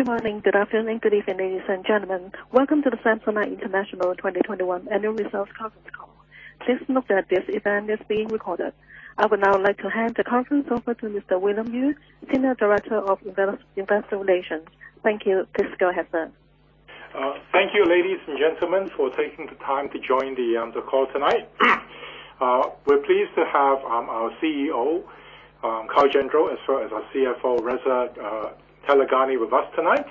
Good morning, good afternoon and good evening, ladies and gentlemen. Welcome to the Samsonite International 2021 annual results conference call. Please note that this event is being recorded. I would now like to hand the conference over to Mr. William Yue, Senior Director of Investor Relations. Thank you. Please go ahead, sir. Thank you, ladies and gentlemen, for taking the time to join the call tonight. We're pleased to have our CEO, Kyle Gendreau, as well as our CFO, Reza Taleghani, with us tonight.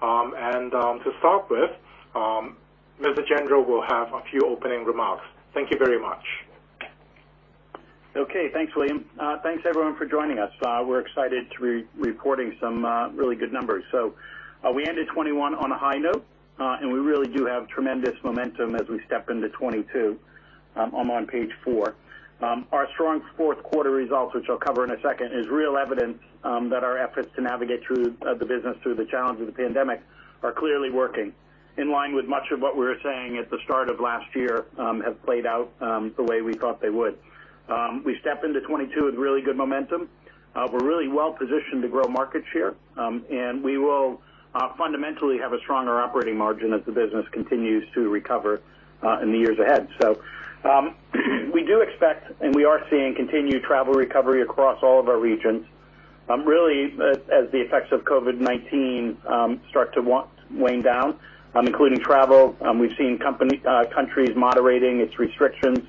To start with, Mr. Gendreau will have a few opening remarks. Thank you very much. Thanks, William. Thanks everyone for joining us. We're excited to report some really good numbers. We ended 2021 on a high note, and we really do have tremendous momentum as we step into 2022. I'm on page four. Our strong fourth quarter results, which I'll cover in a second, is real evidence that our efforts to navigate the business through the challenge of the pandemic are clearly working. In line with much of what we were saying at the start of last year, have played out the way we thought they would. We step into 2022 with really good momentum. We're really well positioned to grow market share, and we will fundamentally have a stronger operating margin as the business continues to recover in the years ahead. We do expect, and we are seeing continued travel recovery across all of our regions, really as the effects of COVID-19 start to wane down, including travel. We've seen countries moderating its restrictions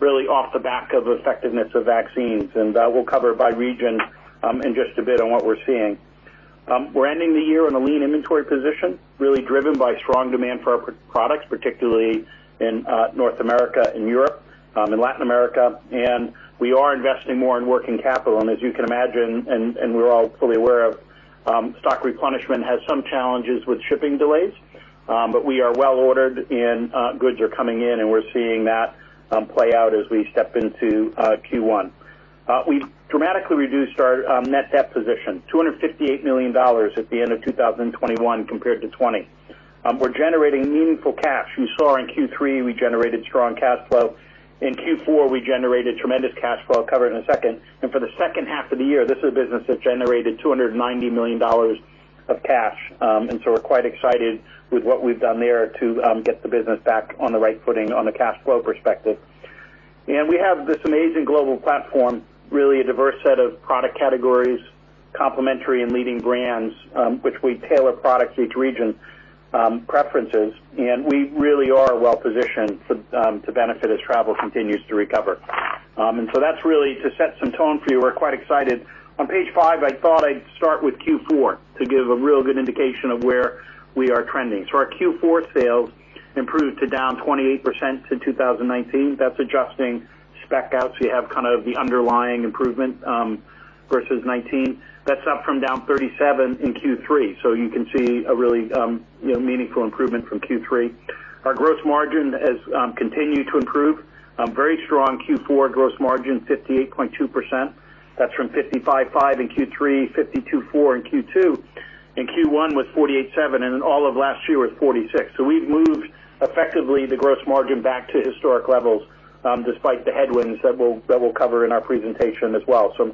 really off the back of effectiveness of vaccines. We'll cover by region in just a bit on what we're seeing. We're ending the year in a lean inventory position, really driven by strong demand for our products, particularly in North America and Europe in Latin America. We are investing more in working capital. As you can imagine, and we're all fully aware of, stock replenishment has some challenges with shipping delays. We are well ordered, and goods are coming in, and we're seeing that play out as we step into Q1. We dramatically reduced our net debt position $258 million at the end of 2021 compared to 2020. We're generating meaningful cash. You saw in Q3 we generated strong cash flow. In Q4 we generated tremendous cash flow. I'll cover it in a second. For the second half of the year, this is a business that generated $290 million of cash. We're quite excited with what we've done there to get the business back on the right footing on the cash flow perspective. We have this amazing global platform, really a diverse set of product categories, complementary and leading brands, which we tailor products to each region preferences, and we really are well positioned to benefit as travel continues to recover. That's really to set some tone for you. We're quite excited. On page five, I thought I'd start with Q4 to give a real good indication of where we are trending. Our Q4 sales improved to down 28% to 2019. That's adjusting Speck out, so you have kind of the underlying improvement versus 2019. That's up from down 37% in Q3, so you can see a really you know meaningful improvement from Q3. Our gross margin has continued to improve. Very strong Q4 gross margin, 58.2%. That's from 55.5% in Q3, 52.4% in Q2, and Q1 was 48.7%, and in all of last year was 46%. We've moved effectively the gross margin back to historic levels despite the headwinds that we'll cover in our presentation as well. I'm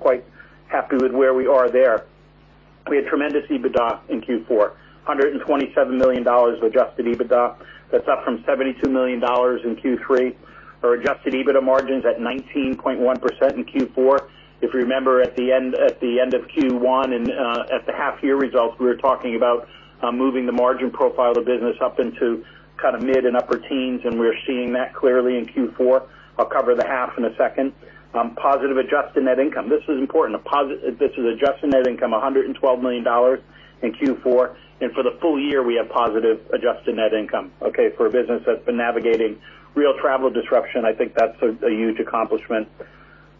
quite happy with where we are there. We had tremendous EBITDA in Q4, $127 million of adjusted EBITDA. That's up from $72 million in Q3. Our adjusted EBITDA margins at 19.1% in Q4. If you remember at the end of Q1 and at the half year results, we were talking about moving the margin profile of the business up into kind of mid and upper teens, and we're seeing that clearly in Q4. I'll cover the half in a second. Positive adjusted net income. This is important. This is adjusted net income, $112 million in Q4. For the full year, we have positive adjusted net income, okay? For a business that's been navigating real travel disruption, I think that's a huge accomplishment.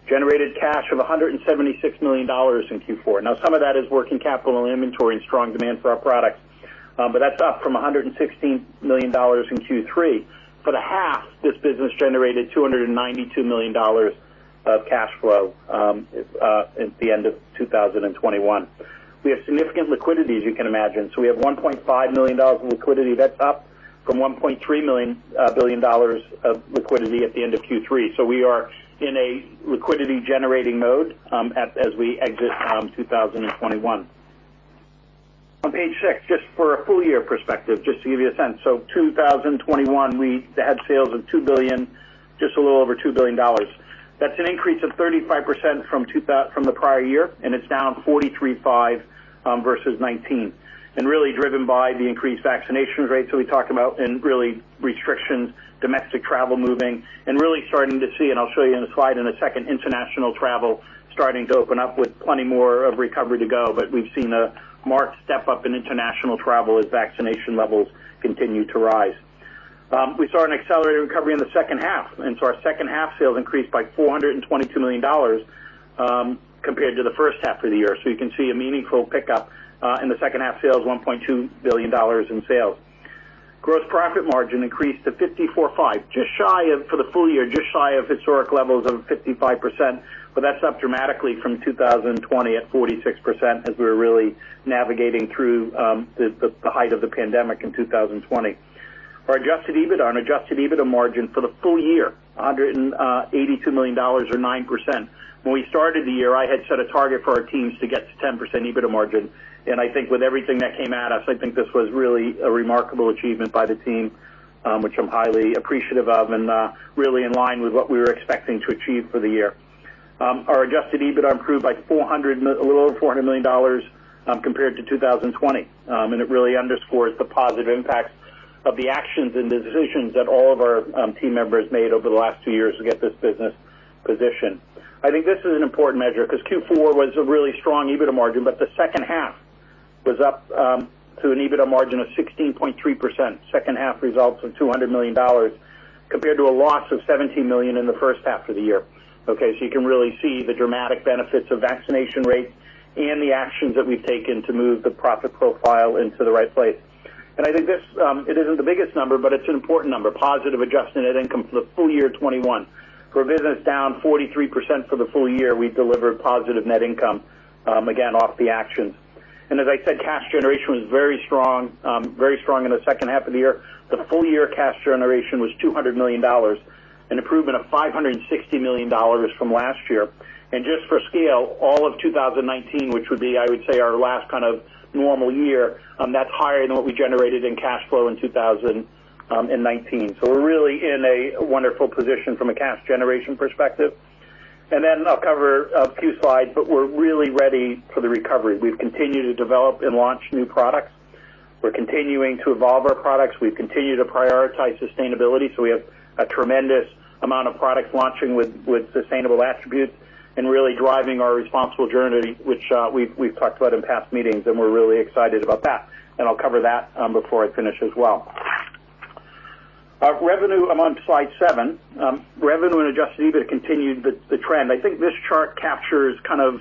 Generated cash of $176 million in Q4. Some of that is working capital and inventory and strong demand for our products. That's up from $116 million in Q3. For the half, this business generated $292 million of cash flow at the end of 2021. We have significant liquidity, as you can imagine. We have $1.5 billion in liquidity. That's up from $1.3 billion of liquidity at the end of Q3. We are in a liquidity generating mode as we exit 2021. On page six, just for a full year perspective, just to give you a sense. 2021, we had sales of $2 billion, just a little over $2 billion. That's an increase of 35% from the prior year, and it's down 43.5% versus 2019. Really driven by the increased vaccination rates that we talked about and easing restrictions, domestic travel moving, and starting to see, and I'll show you in a slide in a second, international travel starting to open up with plenty more of recovery to go. We've seen a marked step up in international travel as vaccination levels continue to rise. We saw an accelerated recovery in the second half, and our second half sales increased by $422 million compared to the first half of the year. You can see a meaningful pickup in the second half sales, $1.2 billion in sales. Gross profit margin increased to 54.5%, just shy of for the full year, just shy of historic levels of 55%, but that's up dramatically from 2020 at 46% as we were really navigating through the height of the pandemic in 2020. Our adjusted EBITDA and adjusted EBITDA margin for the full year, $182 million or 9%. When we started the year, I had set a target for our teams to get to 10% EBITDA margin. I think with everything that came at us, I think this was really a remarkable achievement by the team, which I'm highly appreciative of and really in line with what we were expecting to achieve for the year. Our adjusted EBITDA improved by a little over $400 million compared to 2020. It really underscores the positive impacts of the actions and decisions that all of our team members made over the last two years to get this business positioned. I think this is an important measure because Q4 was a really strong EBITDA margin, but the second half was up to an EBITDA margin of 16.3%. Second half results of $200 million compared to a loss of $70 million in the first half of the year. Okay, so you can really see the dramatic benefits of vaccination rates and the actions that we've taken to move the profit profile into the right place. I think this, it isn't the biggest number, but it's an important number. Positive adjusted net income for the full year 2021. For a business down 43% for the full year, we delivered positive net income, again, off the actions. As I said, cash generation was very strong, very strong in the second half of the year. The full year cash generation was $200 million, an improvement of $560 million from last year. Just for scale, all of 2019, which would be, I would say, our last kind of normal year, that's higher than what we generated in cash flow in 2019. We're really in a wonderful position from a cash generation perspective. Then I'll cover a few slides, but we're really ready for the recovery. We've continued to develop and launch new products. We're continuing to evolve our products. We've continued to prioritize sustainability. We have a tremendous amount of products launching with sustainable attributes and really driving our responsible journey, which we've talked about in past meetings, and we're really excited about that. I'll cover that before I finish as well. Revenue, I'm on slide seven. Revenue and adjusted EBITDA continued the trend. I think this chart captures kind of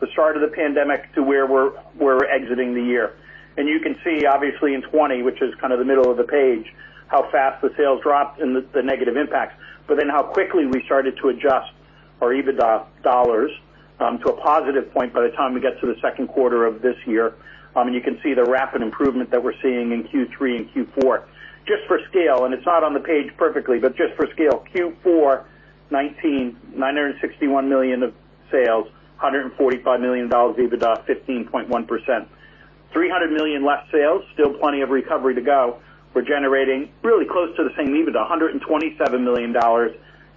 the start of the pandemic to where we're exiting the year. You can see obviously in 2020, which is kind of the middle of the page, how fast the sales dropped and the negative impacts, but then how quickly we started to adjust our EBITDA dollars to a positive point by the time we get to the second quarter of this year. You can see the rapid improvement that we're seeing in Q3 and Q4. Just for scale, and it's not on the page perfectly, but just for scale, Q4 2019, $961 million of sales, $145 million EBITDA, 15.1%. $300 million less sales, still plenty of recovery to go. We're generating really close to the same EBITDA, $127 million,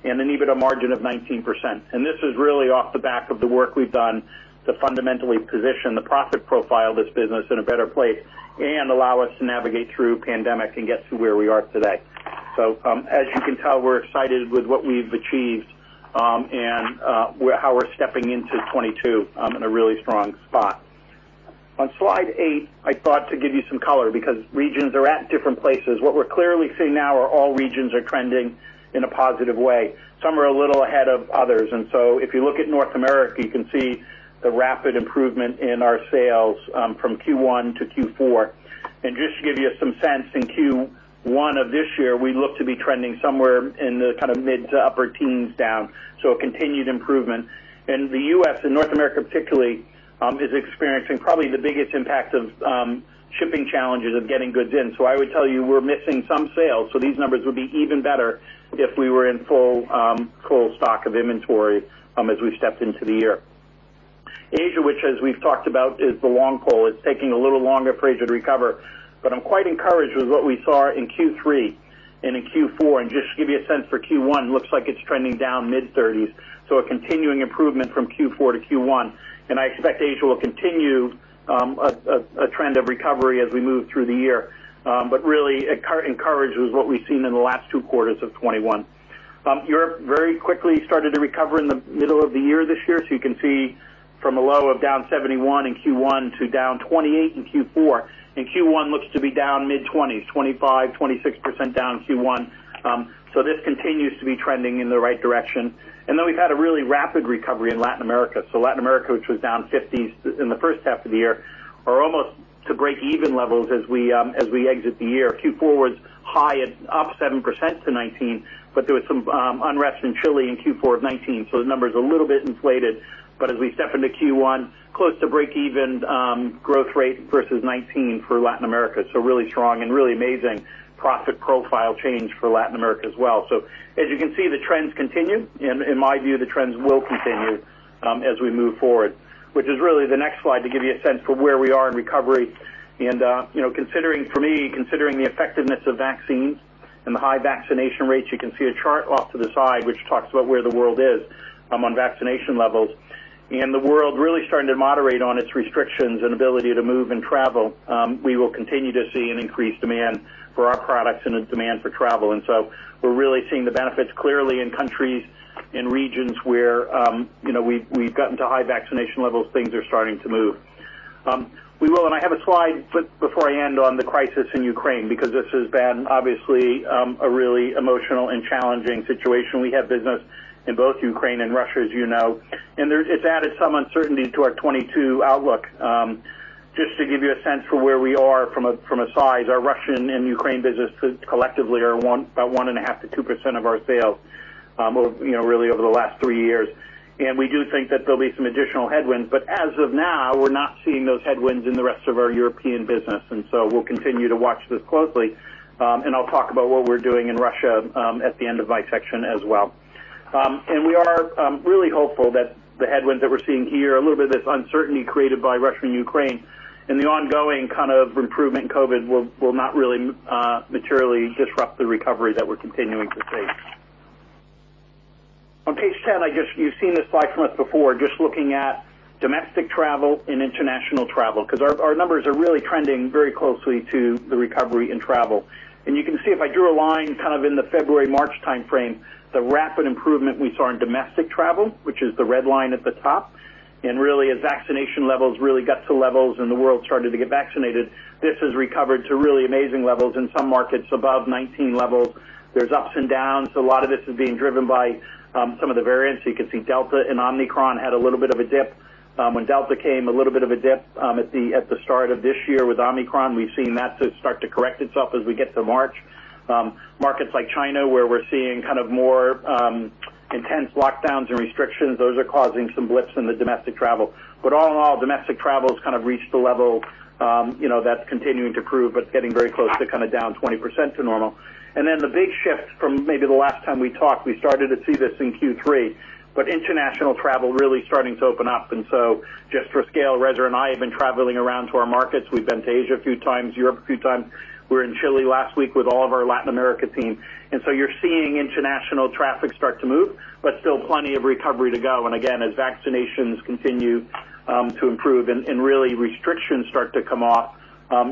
and an EBITDA margin of 19%. This is really off the back of the work we've done to fundamentally position the profit profile of this business in a better place and allow us to navigate through pandemic and get to where we are today. As you can tell, we're excited with what we've achieved, and how we're stepping into 2022, in a really strong spot. On slide eight, I thought to give you some color because regions are at different places. What we're clearly seeing now are all regions are trending in a positive way. Some are a little ahead of others. If you look at North America, you can see the rapid improvement in our sales from Q1 to Q4. Just to give you some sense, in Q1 of this year, we look to be trending somewhere in the kind of mid- to upper-teens down. A continued improvement. The U.S. and North America particularly is experiencing probably the biggest impact of shipping challenges of getting goods in. I would tell you we're missing some sales. These numbers would be even better if we were in full stock of inventory as we stepped into the year. Asia, which as we've talked about is the long pole, is taking a little longer for Asia to recover. I'm quite encouraged with what we saw in Q3 and in Q4. Just to give you a sense for Q1, looks like it's trending down mid-30s. A continuing improvement from Q4 to Q1. I expect Asia will continue a trend of recovery as we move through the year. But really encouraged with what we've seen in the last two quarters of 2021. Europe very quickly started to recover in the middle of the year this year. You can see from a low of down 71% in Q1 to down 28% in Q4. Q1 looks to be down mid-20s, 25%, 26% down Q1. So this continues to be trending in the right direction. Then we've had a really rapid recovery in Latin America. Latin America, which was down 50s in the first half of the year, are almost to breakeven levels as we exit the year. Q4 was high at up 7% to 2019, but there was some unrest in Chile in Q4 of 2019. The number's a little bit inflated. As we step into Q1, close to breakeven growth rate versus 2019 for Latin America. Really strong and really amazing profit profile change for Latin America as well. As you can see, the trends continue. In my view, the trends will continue as we move forward, which is really the next slide to give you a sense for where we are in recovery. You know, considering the effectiveness of vaccines and the high vaccination rates, you can see a chart off to the side, which talks about where the world is on vaccination levels. The world really starting to moderate on its restrictions and ability to move and travel. We will continue to see an increased demand for our products and a demand for travel. We're really seeing the benefits clearly in countries, in regions where, you know, we've gotten to high vaccination levels, things are starting to move. I have a slide before I end on the crisis in Ukraine, because this has been obviously a really emotional and challenging situation. We have business in both Ukraine and Russia, as you know. It's added some uncertainty to our 2022 outlook. Just to give you a sense for where we are from a size, our Russian and Ukraine businesses collectively are about 1.5%-2% of our sales. You know, really over the last three years. We do think that there'll be some additional headwinds. As of now, we're not seeing those headwinds in the rest of our European business. We'll continue to watch this closely, and I'll talk about what we're doing in Russia at the end of my section as well. We are really hopeful that the headwinds that we're seeing here, a little bit of this uncertainty created by Russia and Ukraine and the ongoing kind of improvement in COVID will not really materially disrupt the recovery that we're continuing to see. On page 10, I guess you've seen this slide from us before, just looking at domestic travel and international travel, because our numbers are really trending very closely to the recovery in travel. You can see if I drew a line kind of in the February, March time frame, the rapid improvement we saw in domestic travel, which is the red line at the top. Really, as vaccination levels really got to levels and the world started to get vaccinated, this has recovered to really amazing levels in some markets above 2019 levels. There's ups and downs. A lot of this is being driven by some of the variants. You can see Delta and Omicron had a little bit of a dip. When Delta came, a little bit of a dip. At the start of this year with Omicron, we've seen that start to correct itself as we get to March. Markets like China, where we're seeing kind of more intense lockdowns and restrictions, those are causing some blips in the domestic travel. All in all, domestic travel has kind of reached the level, you know, that's continuing to improve, but getting very close to kind of down 20% to normal. The big shift from maybe the last time we talked, we started to see this in Q3, but international travel really starting to open up. Just for scale, Reza and I have been traveling around to our markets. We've been to Asia a few times, Europe a few times. We were in Chile last week with all of our Latin America team. You're seeing international traffic start to move, but still plenty of recovery to go. As vaccinations continue to improve and really restrictions start to come off,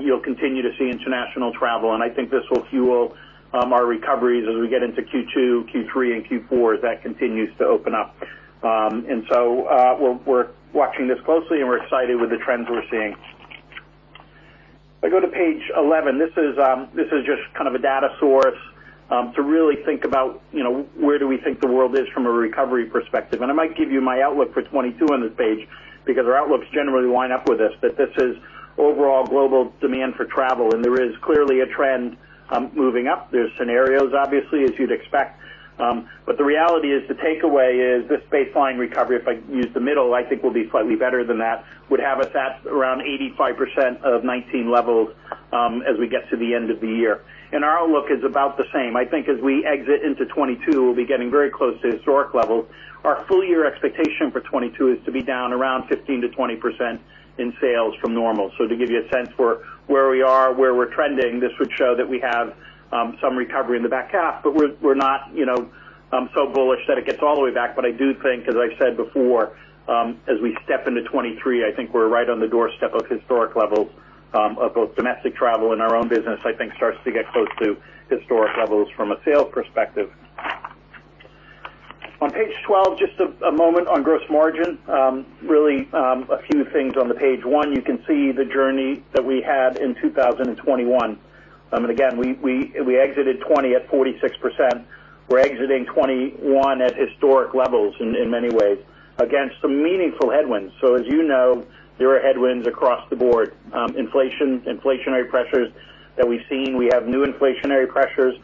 you'll continue to see international travel. This will fuel our recoveries as we get into Q2, Q3, and Q4 as that continues to open up. We're watching this closely, and we're excited with the trends we're seeing. If I go to page 11, this is just kind of a data source to really think about, you know, where do we think the world is from a recovery perspective. I might give you my outlook for 2022 on this page because our outlooks generally wind up with this. This is overall global demand for travel, and there is clearly a trend moving up. There's scenarios, obviously, as you'd expect. The reality is the takeaway is this baseline recovery, if I use the middle, I think will be slightly better than that, would have us at around 85% of 2019 levels, as we get to the end of the year. Our outlook is about the same. I think as we exit into 2022, we'll be getting very close to historic levels. Our full year expectation for 2022 is to be down around 15%-20% in sales from normal. To give you a sense for where we are, where we're trending, this would show that we have some recovery in the back half, but we're not, you know, so bullish that it gets all the way back. I do think, as I said before, as we step into 2023, I think we're right on the doorstep of historic levels, of both domestic travel and our own business. I think starts to get close to historic levels from a sales perspective. On page 12, just a moment on gross margin. Really, a few things on the page. One, you can see the journey that we had in 2021. And again, we exited 2020 at 46%. We're exiting 2021 at historic levels in many ways against some meaningful headwinds. As you know, there are headwinds across the board, inflation, inflationary pressures that we've seen. We have new inflationary pressures.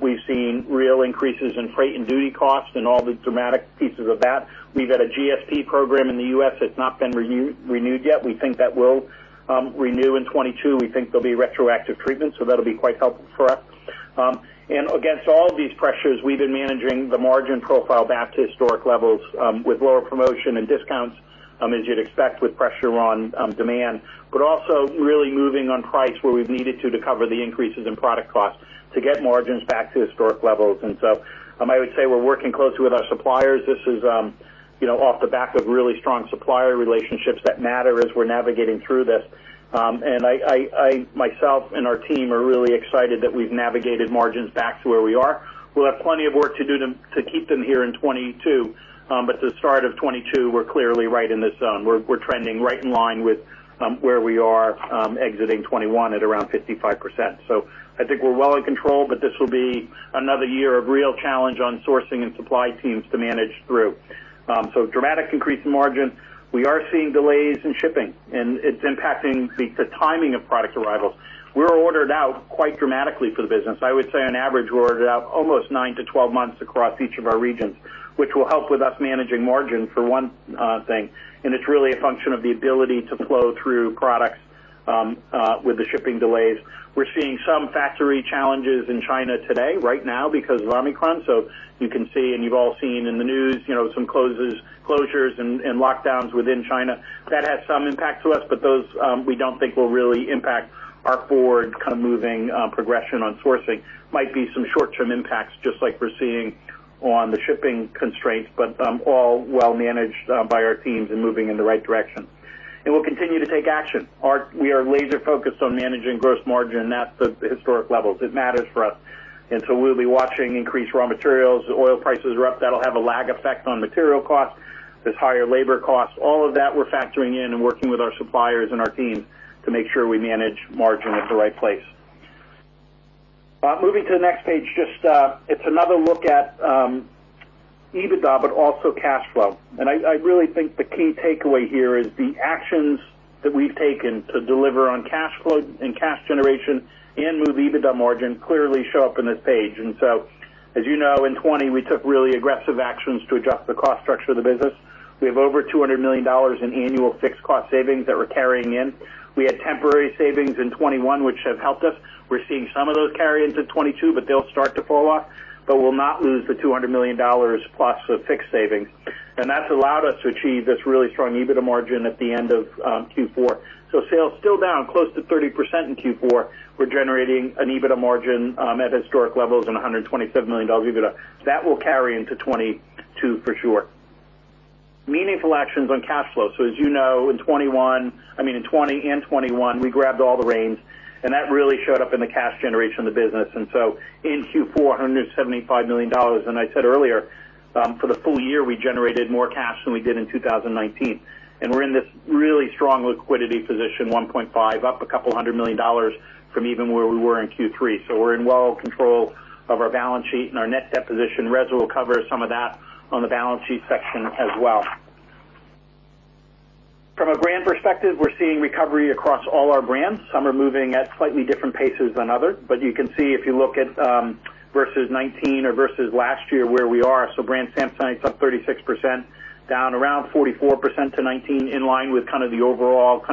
We've seen real increases in freight and duty costs and all the dramatic pieces of that. We've had a GSP program in the U.S. that's not been renewed yet. We think that will renew in 2022. We think there'll be retroactive treatment, so that'll be quite helpful for us. Against all of these pressures, we've been managing the margin profile back to historic levels with lower promotion and discounts, as you'd expect with pressure on demand, but also really moving on price where we've needed to cover the increases in product costs to get margins back to historic levels. I would say we're working closely with our suppliers. This is, you know, off the back of really strong supplier relationships that matter as we're navigating through this. I myself and our team are really excited that we've navigated margins back to where we are. We'll have plenty of work to do to keep them here in 2022. The start of 2022, we're clearly right in this zone. We're trending right in line with where we are exiting 2021 at around 55%. I think we're well in control, but this will be another year of real challenge on sourcing and supply teams to manage through. Dramatic increase in margin. We are seeing delays in shipping, and it's impacting the timing of product arrivals. We're ordered out quite dramatically for the business. I would say on average, we're ordered out almost nine to 12 months across each of our regions, which will help with us managing margin for one thing. It's really a function of the ability to flow through products with the shipping delays. We're seeing some factory challenges in China today, right now because of Omicron. You can see and you've all seen in the news, you know, some closures and lockdowns within China. That has some impact to us, but those, we don't think will really impact our forward kind of moving progression on sourcing. Might be some short-term impacts, just like we're seeing on the shipping constraints, but, all well managed by our teams and moving in the right direction. We'll continue to take action. We are laser-focused on managing gross margin, and that's the historic levels. It matters for us. We'll be watching increased raw materials. Oil prices are up. That'll have a lag effect on material costs. There're higher labor costs. All of that we're factoring in and working with our suppliers and our teams to make sure we manage margin at the right place. Moving to the next page, just, it's another look at EBITDA but also cash flow. I really think the key takeaway here is the actions that we've taken to deliver on cash flow and cash generation and move EBITDA margin clearly show up in this page. As you know, in 2020, we took really aggressive actions to adjust the cost structure of the business. We have over $200 million in annual fixed cost savings that we're carrying in. We had temporary savings in 2021, which have helped us. We're seeing some of those carry into 2022, but they'll start to fall off, but we'll not lose the $200+ million of fixed savings. That's allowed us to achieve this really strong EBITDA margin at the end of Q4. Sales still down close to 30% in Q4. We're generating an EBITDA margin at historic levels and $127 million EBITDA. That will carry into 2022 for sure. Meaningful actions on cash flow. As you know, in 2021, I mean, in 2020 and 2021, we grabbed all the reins, and that really showed up in the cash generation of the business. In Q4, $175 million, and I said earlier, for the full year, we generated more cash than we did in 2019. We're in this really strong liquidity position, $1.5 billion, up a couple hundred million dollars from even where we were in Q3. We're well in control of our balance sheet and our net debt position. Reza will cover some of that on the balance sheet section as well. From a brand perspective, we're seeing recovery across all our brands. Some are moving at slightly different paces than others. You can see if you look at versus 2019 or versus last year where we are. Brand Samsonite's up 36%, down around 44% to 2019, in line with kind of the overall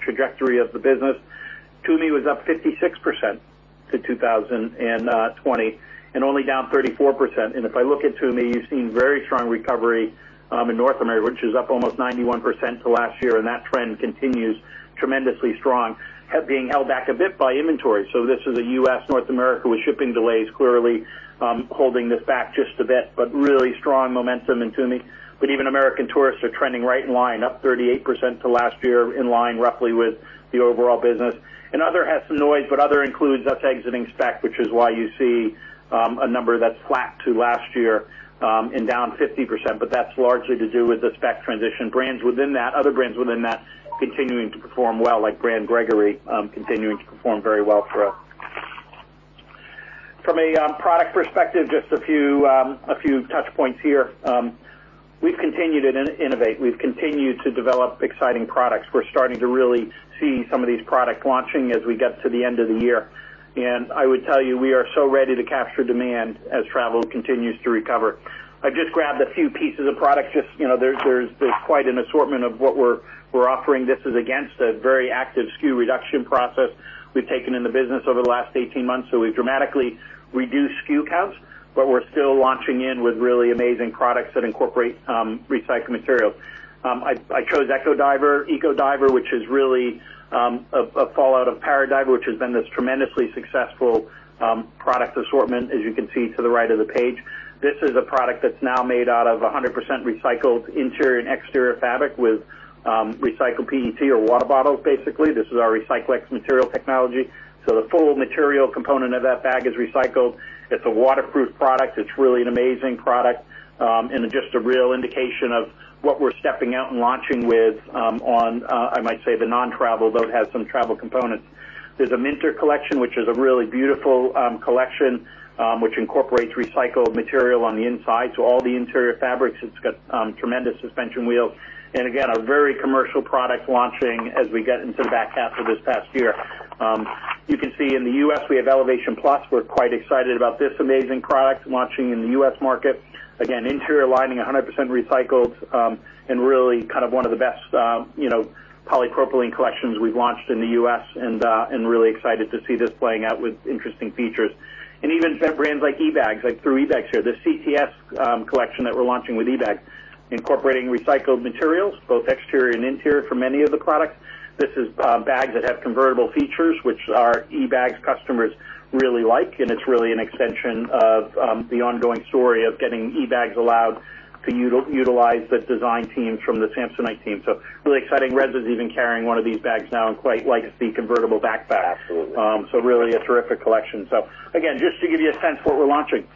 trajectory of the business. Tumi was up 56% to 2020 and only down 34%. If I look at Tumi, you've seen very strong recovery in North America, which is up almost 91% to last year, and that trend continues tremendously strong, being held back a bit by inventory. This is a U.S. North America, with shipping delays clearly holding this back just a bit, but really strong momentum in Tumi. Even American Tourister is trending right in line, up 38% to last year, in line roughly with the overall business. Other has some noise, but Other includes us exiting Speck, which is why you see a number that's flat to last year and down 50%. That's largely to do with the Speck transition. Brands within that, other brands within that continuing to perform well, like Gregory, continuing to perform very well for us. From a product perspective, just a few touch points here. We've continued to innovate. We've continued to develop exciting products. We're starting to really see some of these products launching as we get to the end of the year. I would tell you, we are so ready to capture demand as travel continues to recover. I just grabbed a few pieces of product, you know, there's quite an assortment of what we're offering. This is against a very active SKU reduction process we've taken in the business over the last 18 months. We've dramatically reduced SKU counts, but we're still launching in with really amazing products that incorporate recycled materials. I chose Ecodiver, which is really a fallout of Paradiver, which has been this tremendously successful product assortment, as you can see to the right of the page. This is a product that's now made out of 100% recycled interior and exterior fabric with recycled PET or water bottles, basically. This is our Recyclex material technology. The full material component of that bag is recycled. It's a waterproof product. It's really an amazing product and just a real indication of what we're stepping out and launching with, on, I might say the non-travel, though it has some travel components. There's a Minter collection, which is a really beautiful collection, which incorporates recycled material on the inside. All the interior fabrics, it's got tremendous suspension wheels. Again, a very commercial product launching as we get into the back half of this past year. You can see in the U.S. we have Elevation Plus. We're quite excited about this amazing product launching in the U.S. market. Again, interior lining 100% recycled, and really kind of one of the best, you know, polypropylene collections we've launched in the U.S. really excited to see this playing out with interesting features. Even brands like eBags, I threw eBags here. The CTS collection that we're launching with eBags, incorporating recycled materials, both exterior and interior for many of the products. This is bags that have convertible features, which our eBags customers really like. it's really an extension of the ongoing story of getting eBags allowed to utilize the design teams from the Samsonite team. really exciting. Reza is even carrying one of these bags now and quite likes the convertible backpack. Absolutely. Really a terrific collection. Again, just to give you a sense of what we're launching.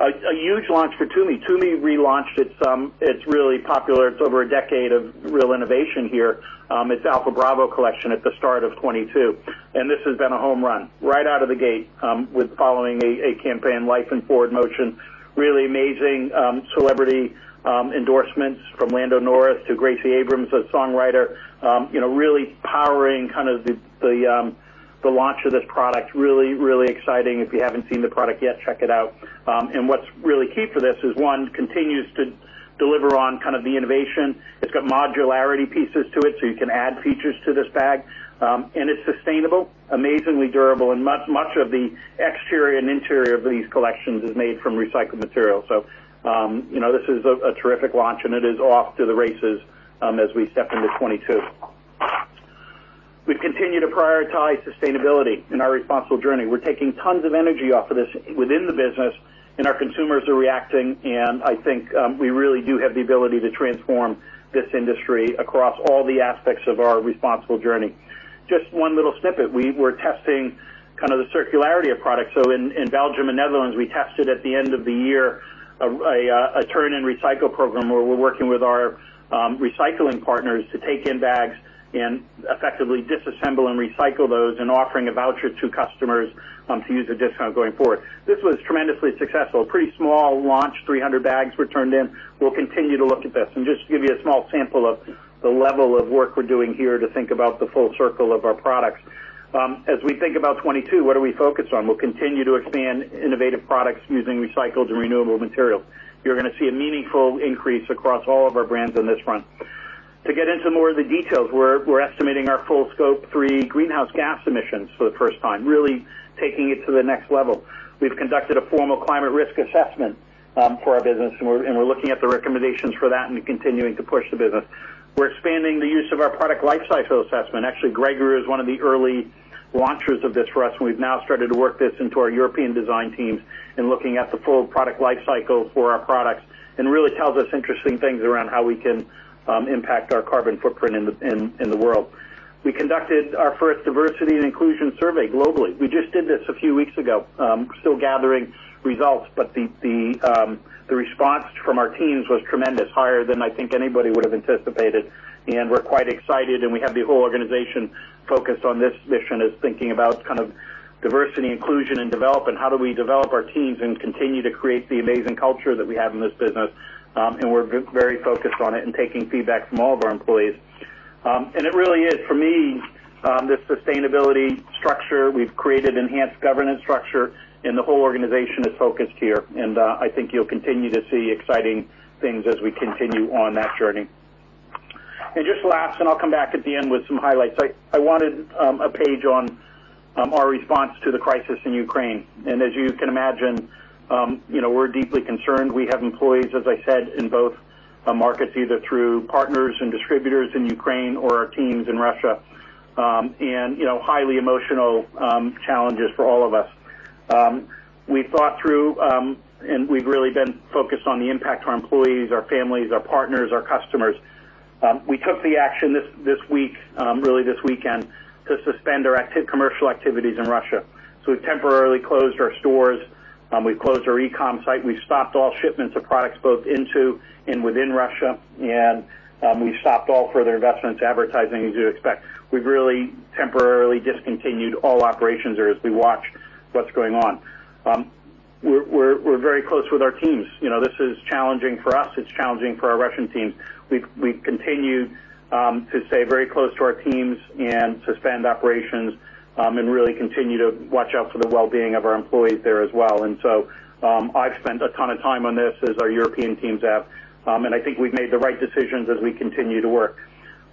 A huge launch for Tumi. Tumi relaunched its really popular, it's over a decade of real innovation here, its Alpha Bravo collection at the start of 2022. This has been a home run right out of the gate with a campaign, Life in Forward Motion, really amazing celebrity endorsements from Lando Norris to Gracie Abrams, a songwriter, you know, really powering kind of the launch of this product. Really, really exciting. If you haven't seen the product yet, check it out. What's really key for this is, one, continues to deliver on kind of the innovation. It's got modularity pieces to it, so you can add features to this bag. It's sustainable, amazingly durable, and much of the exterior and interior of these collections is made from recycled material. You know, this is a terrific launch, and it is off to the races as we step into 2022. We've continued to prioritize sustainability in our responsible journey. We're taking tons of energy off of this within the business, and our consumers are reacting, and I think we really do have the ability to transform this industry across all the aspects of our responsible journey. Just one little snippet. We were testing kind of the circularity of products. In Belgium and the Netherlands, we tested at the end of the year, a return and recycle program where we're working with our recycling partners to take in bags and effectively disassemble and recycle those and offering a voucher to customers to use a discount going forward. This was tremendously successful. Pretty small launch, 300 bags were turned in. We'll continue to look at this. Just to give you a small sample of the level of work we're doing here to think about the full circle of our products. As we think about 2022, what are we focused on? We'll continue to expand innovative products using recycled and renewable materials. You're gonna see a meaningful increase across all of our brands on this front. To get into more of the details, we're estimating our full Scope three greenhouse gas emissions for the first time, really taking it to the next level. We've conducted a formal climate risk assessment for our business, and we're looking at the recommendations for that and continuing to push the business. We're expanding the use of our product life cycle assessment. Actually, Gregory is one of the early launchers of this for us, and we've now started to work this into our European design teams in looking at the full product life cycle for our products and really tells us interesting things around how we can impact our carbon footprint in the world. We conducted our first diversity and inclusion survey globally. We just did this a few weeks ago. Still gathering results, but the response from our teams was tremendous, higher than I think anybody would have anticipated. We're quite excited, and we have the whole organization focused on this mission as thinking about kind of diversity, inclusion, and development. How do we develop our teams and continue to create the amazing culture that we have in this business? We're very focused on it and taking feedback from all of our employees. It really is for me, this sustainability structure. We've created enhanced governance structure, and the whole organization is focused here. I think you'll continue to see exciting things as we continue on that journey. Just last, I'll come back at the end with some highlights. I wanted a page on our response to the crisis in Ukraine. As you can imagine, you know, we're deeply concerned. We have employees, as I said, in both markets, either through partners and distributors in Ukraine or our teams in Russia, and, you know, highly emotional challenges for all of us. We thought through and we've really been focused on the impact to our employees, our families, our partners, our customers. We took the action this week, really this weekend to suspend our commercial activities in Russia. We've temporarily closed our stores. We've closed our e-com site. We've stopped all shipments of products both into and within Russia. We've stopped all further investments, advertising as you expect. We've really temporarily discontinued all operations there as we watch what's going on. We're very close with our teams. You know, this is challenging for us. It's challenging for our Russian teams. We've continued to stay very close to our teams and suspend operations and really continue to watch out for the well-being of our employees there as well. I've spent a ton of time on this as our European teams have. I think we've made the right decisions as we continue to work.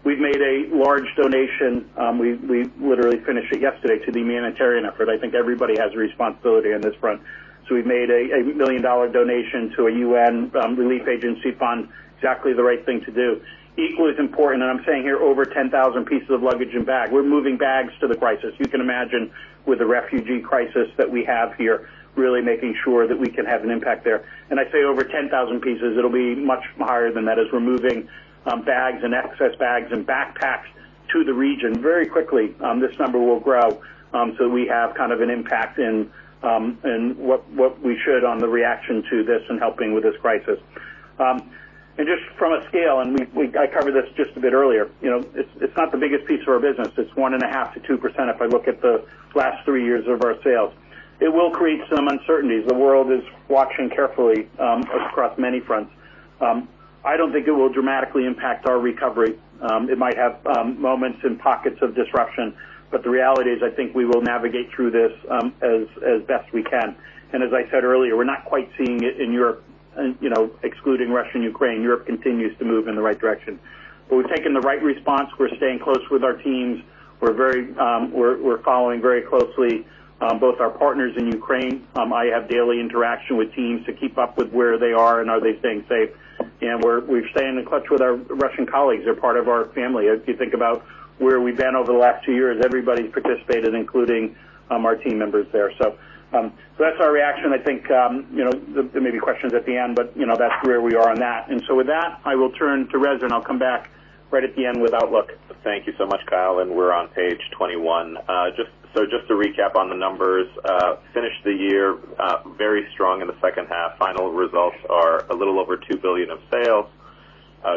We've made a large donation. We literally finished it yesterday to the humanitarian effort. I think everybody has a responsibility on this front. We've made a $1 million donation to a UN relief agency fund, exactly the right thing to do. Equally as important, I'm saying here over 10,000 pieces of luggage and bags. We're moving bags to the crisis. You can imagine with the refugee crisis that we have here, really making sure that we can have an impact there. I say over 10,000 pieces; it'll be much higher than that as we're moving bags and excess bags and backpacks to the region very quickly. This number will grow, so we have kind of an impact in what we should do in reaction to this and helping with this crisis. Just from a scale, I covered this just a bit earlier. You know, it's not the biggest piece of our business. It's 1.5%-2% if I look at the last three years of our sales. It will create some uncertainties. The world is watching carefully across many fronts. I don't think it will dramatically impact our recovery. It might have moments and pockets of disruption, but the reality is I think we will navigate through this as best we can. As I said earlier, we're not quite seeing it in Europe, you know, excluding Russia and Ukraine. Europe continues to move in the right direction. We've taken the right response. We're staying close with our teams. We're following very closely both our partners in Ukraine. I have daily interaction with teams to keep up with where they are and are they staying safe. We're staying in touch with our Russian colleagues. They're part of our family. If you think about where we've been over the last two years, everybody's participated, including our team members there. That's our reaction. I think, you know, there may be questions at the end, but, you know, that's where we are on that. With that, I will turn to Reza, and I'll come back right at the end with outlook. Thank you so much, Kyle, and we're on page 21. Just to recap on the numbers, finished the year very strong in the second half. Final results are a little over $2 billion of sales,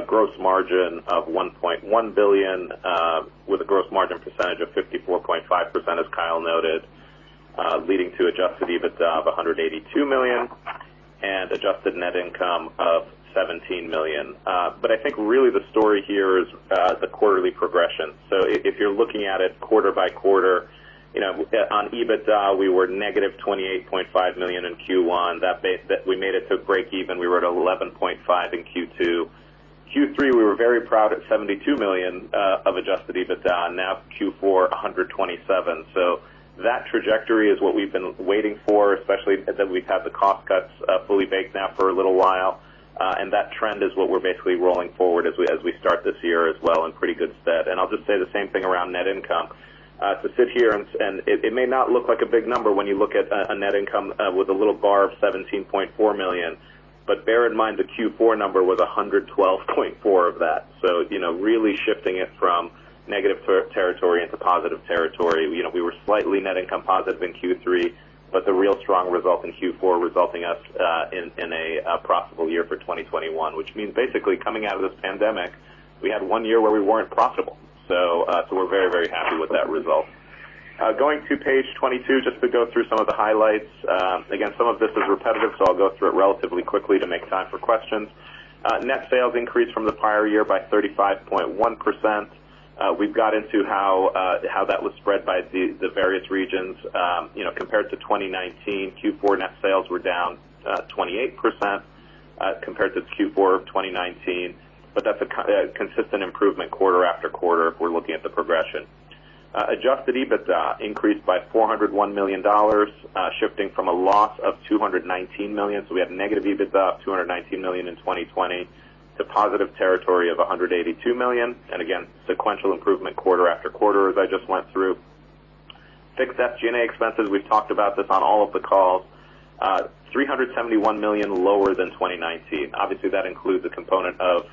gross margin of $1.1 billion, with a gross margin percentage of 54.5% as Kyle noted, leading to adjusted EBITDA of $182 million and adjusted net income of $17 million. I think really the story here is the quarterly progression. If you're looking at it quarter by quarter, you know, on EBITDA, we were negative $28.5 million in Q1. From that base, we made it to breakeven, we were at $11.5 million in Q2. Q3, we were very proud of $72 million of adjusted EBITDA. Now, Q4, $127 million. That trajectory is what we've been waiting for, especially that we've had the cost cuts fully baked now for a little while. That trend is what we're basically rolling forward as we start this year as well in pretty good stead. I'll just say the same thing around net income. To sit here and it may not look like a big number when you look at net income with a little bar of $17.4 million. Bear in mind, the Q4 number was $112.4 million of that. You know, really shifting it from negative territory into positive territory. You know, we were slightly net income positive in Q3, but the real strong result in Q4 resulting in a profitable year for 2021, which means basically coming out of this pandemic, we had one year where we weren't profitable. We're very, very happy with that result. Going to page 22, just to go through some of the highlights. Again, some of this is repetitive, so I'll go through it relatively quickly to make time for questions. Net sales increased from the prior year by 35.1%. We've got into how that was spread by the various regions. You know, compared to 2019 Q4 net sales were down 28%, compared to Q4 of 2019. That's a consistent improvement quarter after quarter if we're looking at the progression. Adjusted EBITDA increased by $401 million, shifting from a loss of $219 million. We have negative EBITDA of $219 million in 2020 to positive territory of $182 million. Again, sequential improvement quarter after quarter, as I just went through. Fixed SG&A expenses, we've talked about this on all of the calls, $371 million lower than 2019. Obviously, that includes a component of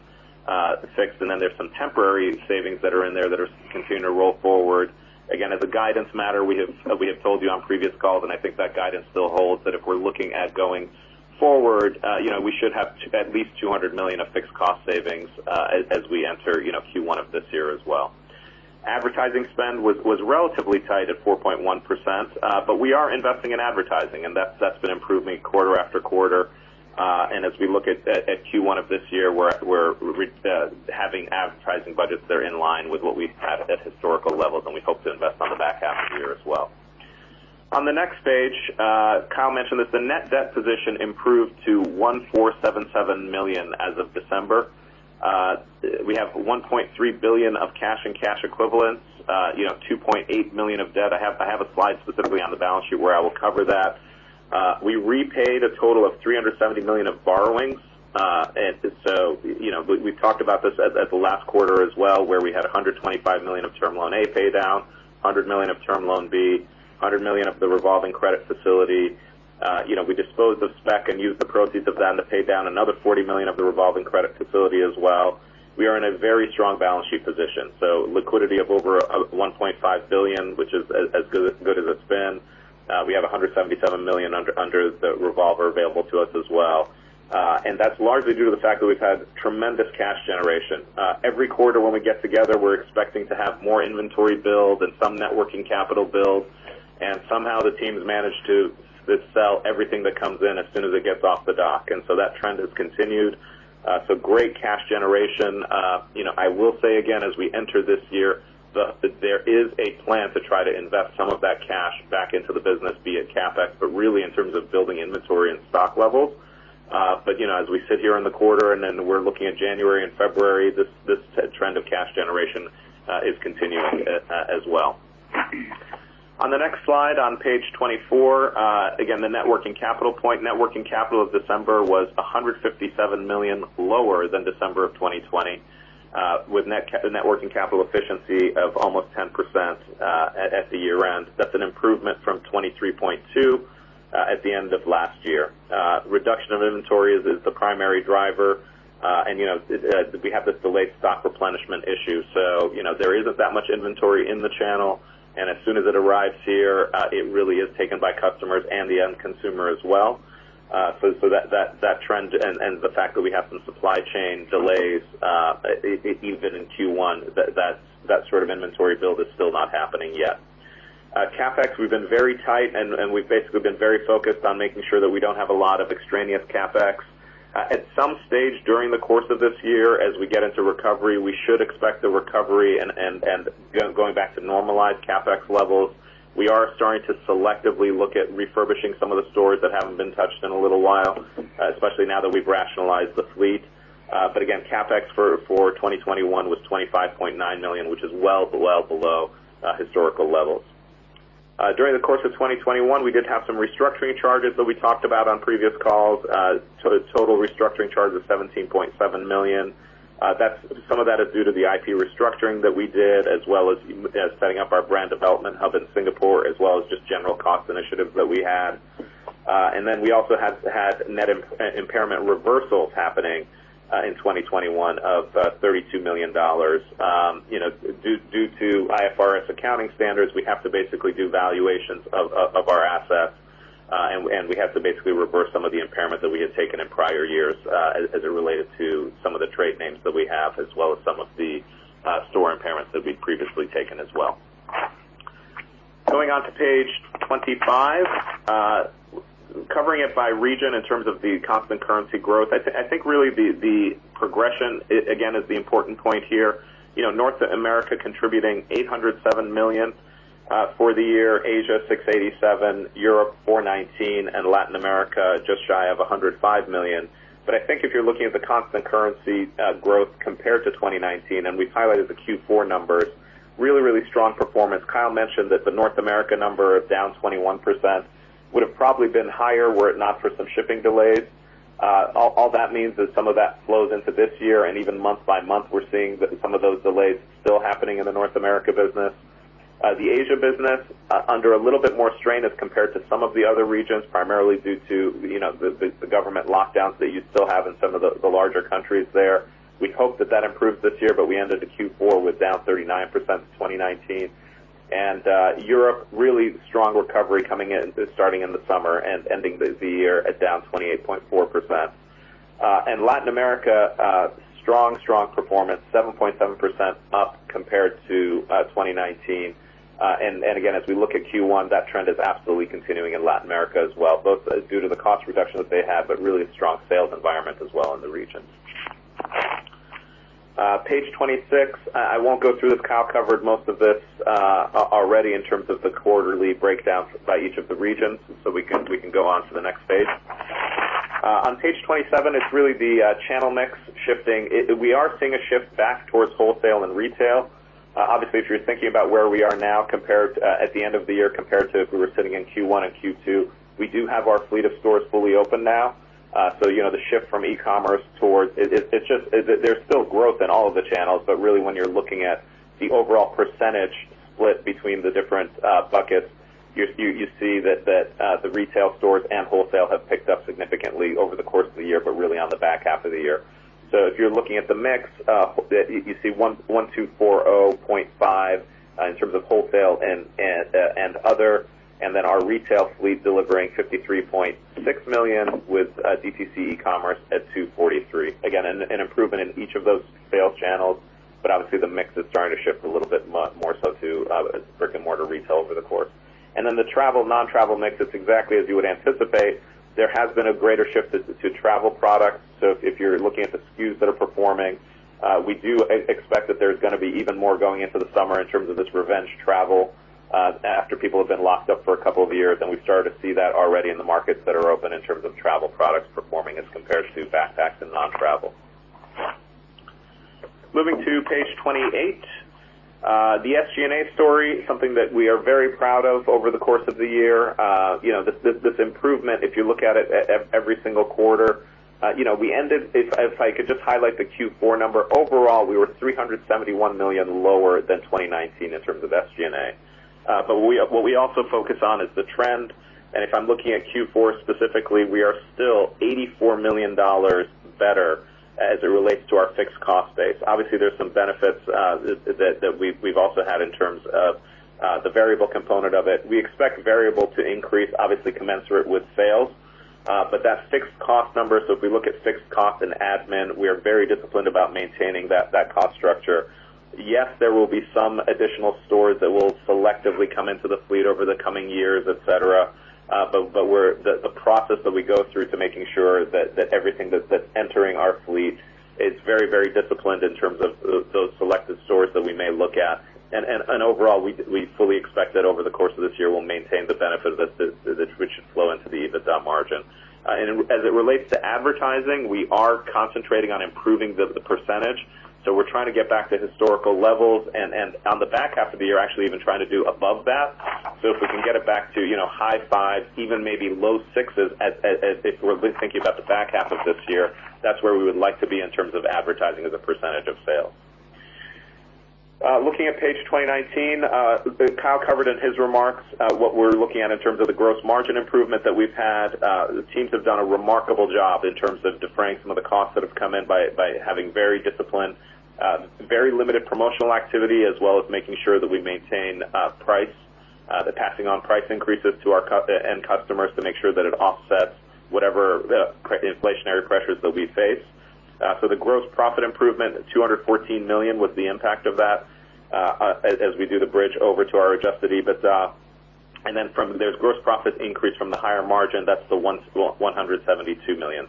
fixed, and then there's some temporary savings that are in there that are continuing to roll forward. Again, as a guidance matter, we have told you on previous calls, and I think that guidance still holds, that if we're looking at going forward, you know, we should have at least $200 million of fixed cost savings as we enter, you know, Q1 of this year as well. Advertising spend was relatively tight at 4.1%. We are investing in advertising, and that's been improving quarter after quarter. As we look at Q1 of this year, we're having advertising budgets that are in line with what we've had at historical levels, and we hope to invest on the back half of the year as well. On the next page, Kyle mentioned that the net debt position improved to $1,477 million as of December. We have $1.3 billion of cash and cash equivalents, you know, $2.8 million of debt. I have a slide specifically on the balance sheet where I will cover that. We repaid a total of $370 million of borrowings. You know, we talked about this at the last quarter as well, where we had $125 million of Term Loan A pay down, $100 million of Term Loan B, $100 million of the revolving credit facility. You know, we disposed of Speck and used the proceeds of that to pay down another $40 million of the revolving credit facility as well. We are in a very strong balance sheet position, so liquidity of over $1.5 billion, which is as good as it's been. We have $177 million under the revolver available to us as well. That's largely due to the fact that we've had tremendous cash generation. Every quarter when we get together, we're expecting to have more inventory build and some net working capital build, and somehow the team's managed to just sell everything that comes in as soon as it gets off the dock. That trend has continued. Great cash generation. You know, I will say again, as we enter this year, there is a plan to try to invest some of that cash back into the business via CapEx, but really in terms of building inventory and stock levels. You know, as we sit here in the quarter and then we're looking at January and February, this trend of cash generation is continuing as well. On the next slide on page 24, again, the net working capital point. Net working capital of December was $157 million lower than December of 2020, with net working capital efficiency of almost 10% at the year-end. That's an improvement from 23.2% at the end of last year. Reduction of inventory is the primary driver. You know, we have this delayed stock replenishment issue, so you know, there isn't that much inventory in the channel, and as soon as it arrives here, it really is taken by customers and the end consumer as well. That trend and the fact that we have some supply chain delays, even in Q1, that sort of inventory build is still not happening yet. CapEx, we've been very tight and we've basically been very focused on making sure that we don't have a lot of extraneous CapEx. At some stage during the course of this year, as we get into recovery, we should expect a recovery and going back to normalized CapEx levels. We are starting to selectively look at refurbishing some of the stores that haven't been touched in a little while, especially now that we've rationalized the fleet. Again, CapEx for 2021 was $25.9 million, which is well below historical levels. During the course of 2021, we did have some restructuring charges that we talked about on previous calls. The total restructuring charge was $17.7 million. That's some of that is due to the IP restructuring that we did, as well as setting up our brand development hub in Singapore, as well as just general cost initiatives that we had. We also have had net impairment reversals happening in 2021 of $32 million. You know, due to IFRS accounting standards, we have to basically do valuations of our assets, and we have to basically reverse some of the impairment that we had taken in prior years, as it related to some of the trade names that we have, as well as some of the store impairments that we'd previously taken as well. Going on to page 25. Covering it by region in terms of the constant currency growth, I think really the progression again is the important point here. You know, North America contributing $807 million for the year, Asia $687 million, Europe $419 million, and Latin America just shy of $105 million. I think if you're looking at the constant currency growth compared to 2019, and we've highlighted the Q4 numbers, really strong performance. Kyle mentioned that the North America number down 21% would have probably been higher were it not for some shipping delays. All that means is some of that flows into this year, and even month by month, we're seeing that some of those delays still happening in the North America business. The Asia business under a little bit more strain as compared to some of the other regions, primarily due to, you know, the government lockdowns that you still have in some of the larger countries there. We hope that improves this year, but we ended Q4 down 39% to 2019. Europe, really strong recovery coming in starting in the summer and ending the year at down 28.4%. Latin America, strong performance, 7.7% up compared to 2019. Again, as we look at Q1, that trend is absolutely continuing in Latin America as well, both due to the cost reduction that they have, but really a strong sales environment as well in the region. Page 26, I won't go through this. Kyle covered most of this already in terms of the quarterly breakdown by each of the regions. We can go on to the next page. On page 27, it's really the channel mix shifting. We are seeing a shift back towards wholesale and retail. Obviously, if you're thinking about where we are now compared at the end of the year compared to if we were sitting in Q1 and Q2, we do have our fleet of stores fully open now. You know, the shift from e-commerce towards it. There's still growth in all of the channels. But really, when you're looking at the overall percentage split between the different buckets, you see that the retail stores and wholesale have picked up significantly over the course of the year, but really on the back half of the year. If you're looking at the mix, you see 124.05 in terms of wholesale and other, and then our retail fleet delevering $53.6 million with DTC e-commerce at $243 million. Again, an improvement in each of those sales channels. Obviously the mix is starting to shift a little bit more so to brick and mortar retail over the course. The travel, non-travel mix is exactly as you would anticipate. There has been a greater shift to travel products. If you're looking at the SKUs that are performing, we do expect that there's gonna be even more going into the summer in terms of this revenge travel after people have been locked up for a couple of years. We've started to see that already in the markets that are open in terms of travel products performing as compared to backpacks and non-travel. Moving to page 28. The SG&A story, something that we are very proud of over the course of the year. You know, this improvement, if you look at it at every single quarter, you know, we ended. If I could just highlight the Q4 number. Overall, we were $371 million lower than 2019 in terms of SG&A. What we also focus on is the trend. If I'm looking at Q4 specifically, we are still $84 million better as it relates to our fixed cost base. Obviously, there's some benefits that we've also had in terms of the variable component of it. We expect variable to increase, obviously commensurate with sales. That fixed cost number, if we look at fixed cost and admin, we are very disciplined about maintaining that cost structure. Yes, there will be some additional stores that will selectively come into the fleet over the coming years, et cetera. But we're. The process that we go through to making sure that everything that's entering our fleet is very, very disciplined in terms of those selected stores that we may look at. Overall, we fully expect that over the course of this year, we'll maintain the benefit of this, which should flow into the EBITDA margin. As it relates to advertising, we are concentrating on improving the percentage. We're trying to get back to historical levels and on the back half of the year, actually even trying to do above that. If we can get it back to, you know, high fives, even maybe low sixes as if we're thinking about the back half of this year, that's where we would like to be in terms of advertising as a percentage of sales. Looking at page 19, Kyle covered in his remarks what we're looking at in terms of the gross margin improvement that we've had. The teams have done a remarkable job in terms of defraying some of the costs that have come in by having very disciplined, very limited promotional activity, as well as making sure that we maintain price, the passing on price increases to our end customers to make sure that it offsets whatever inflationary pressures that we face. The gross profit improvement, $214 million was the impact of that, as we do the bridge over to our adjusted EBITDA. There's gross profit increase from the higher margin. That's the $172 million.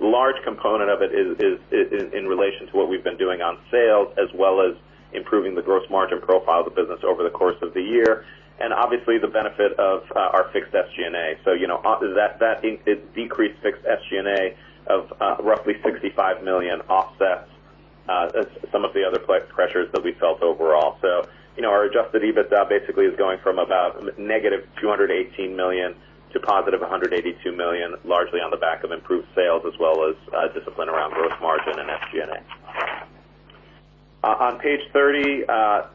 Large component of it is in relation to what we've been doing on sales, as well as improving the gross margin profile of the business over the course of the year, and obviously the benefit of our fixed SG&A. You know, that decreased fixed SG&A of roughly $65 million offsets some of the other pressures that we felt overall. You know, our adjusted EBITDA basically is going from about -$218 million to $182 million, largely on the back of improved sales as well as discipline around gross margin and SG&A. On page 30,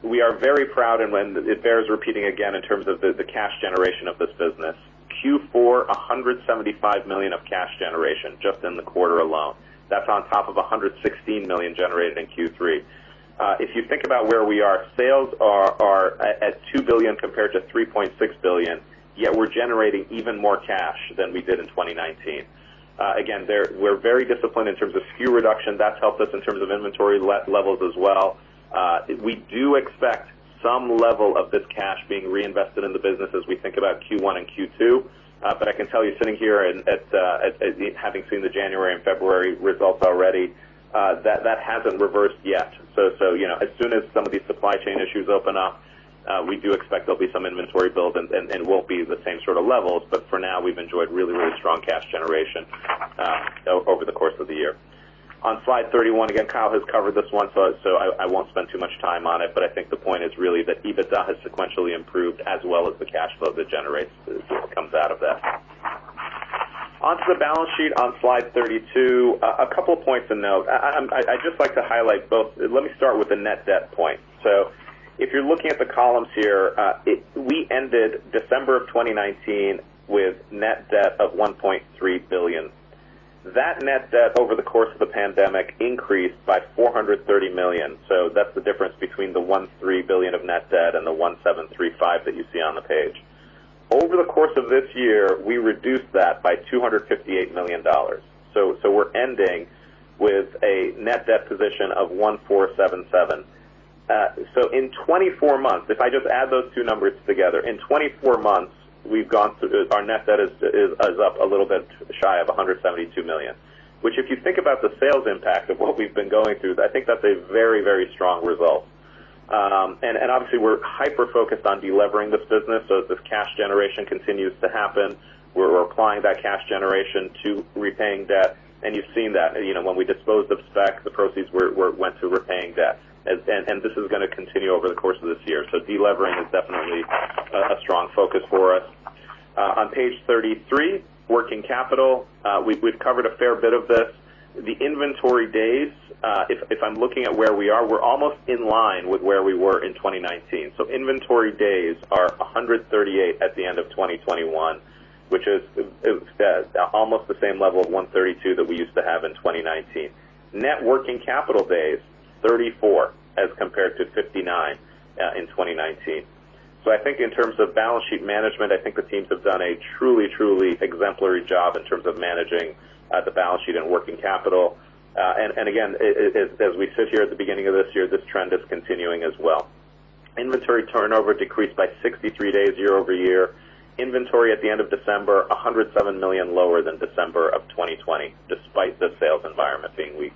we are very proud it bears repeating again in terms of the cash generation of this business. Q4, $175 million of cash generation just in the quarter alone. That's on top of $116 million generated in Q3. If you think about where we are, sales are at $2 billion compared to $3.6 billion, yet we're generating even more cash than we did in 2019. Again, we're very disciplined in terms of SKU reduction. That's helped us in terms of inventory levels as well. We do expect some level of this cash being reinvested in the business as we think about Q1 and Q2. I can tell you sitting here at having seen the January and February results already, that hasn't reversed yet. You know, as soon as some of these supply chain issues open up, we do expect there'll be some inventories build and it won't be the same sort of levels. For now, we've enjoyed really strong cash generation over the course of the year. On Slide 31, again, Kyle has covered this one, so I won't spend too much time on it. I think the point is really that EBITDA has sequentially improved as well as the cash flow that generates, comes out of that. Onto the balance sheet on Slide 32. A couple of points to note. I'd just like to highlight both. Let me start with the net debt point. If you're looking at the columns here, we ended December of 2019 with net debt of $1.3 billion. That net debt over the course of the pandemic increased by $430 million. That's the difference between the $1.3 billion of net debt and the $1.735 billion that you see on the page. Over the course of this year, we reduced that by $258 million. We're ending with a net debt position of $1.477 billion. In 24 months, if I just add those two numbers together, in 24 months, we've gone through, our net debt is up a little bit shy of $172 million, which if you think about the sales impact of what we've been going through, I think that's a very, very strong result. Obviously, we're hyper-focused on delevering this business. As this cash generation continues to happen, we're applying that cash generation to repaying debt, and you've seen that. You know, when we disposed of Speck, the proceeds went to repaying debt. This is gonna continue over the course of this year. Delevering is definitely a strong focus for us. On page 33, working capital. We've covered a fair bit of this. The inventory days, if I'm looking at where we are, we're almost in line with where we were in 2019. Inventory days are 138 at the end of 2021, which is almost the same level of 132 that we used to have in 2019. Net working capital days, 34 as compared to 59 in 2019. I think in terms of balance sheet management, I think the teams have done a truly exemplary job in terms of managing the balance sheet and working capital. And again, as we sit here at the beginning of this year, this trend is continuing as well. Inventory turnover decreased by 63 days year-over-year. Inventory at the end of December $107 million lower than December 2020 despite the sales environment being weak.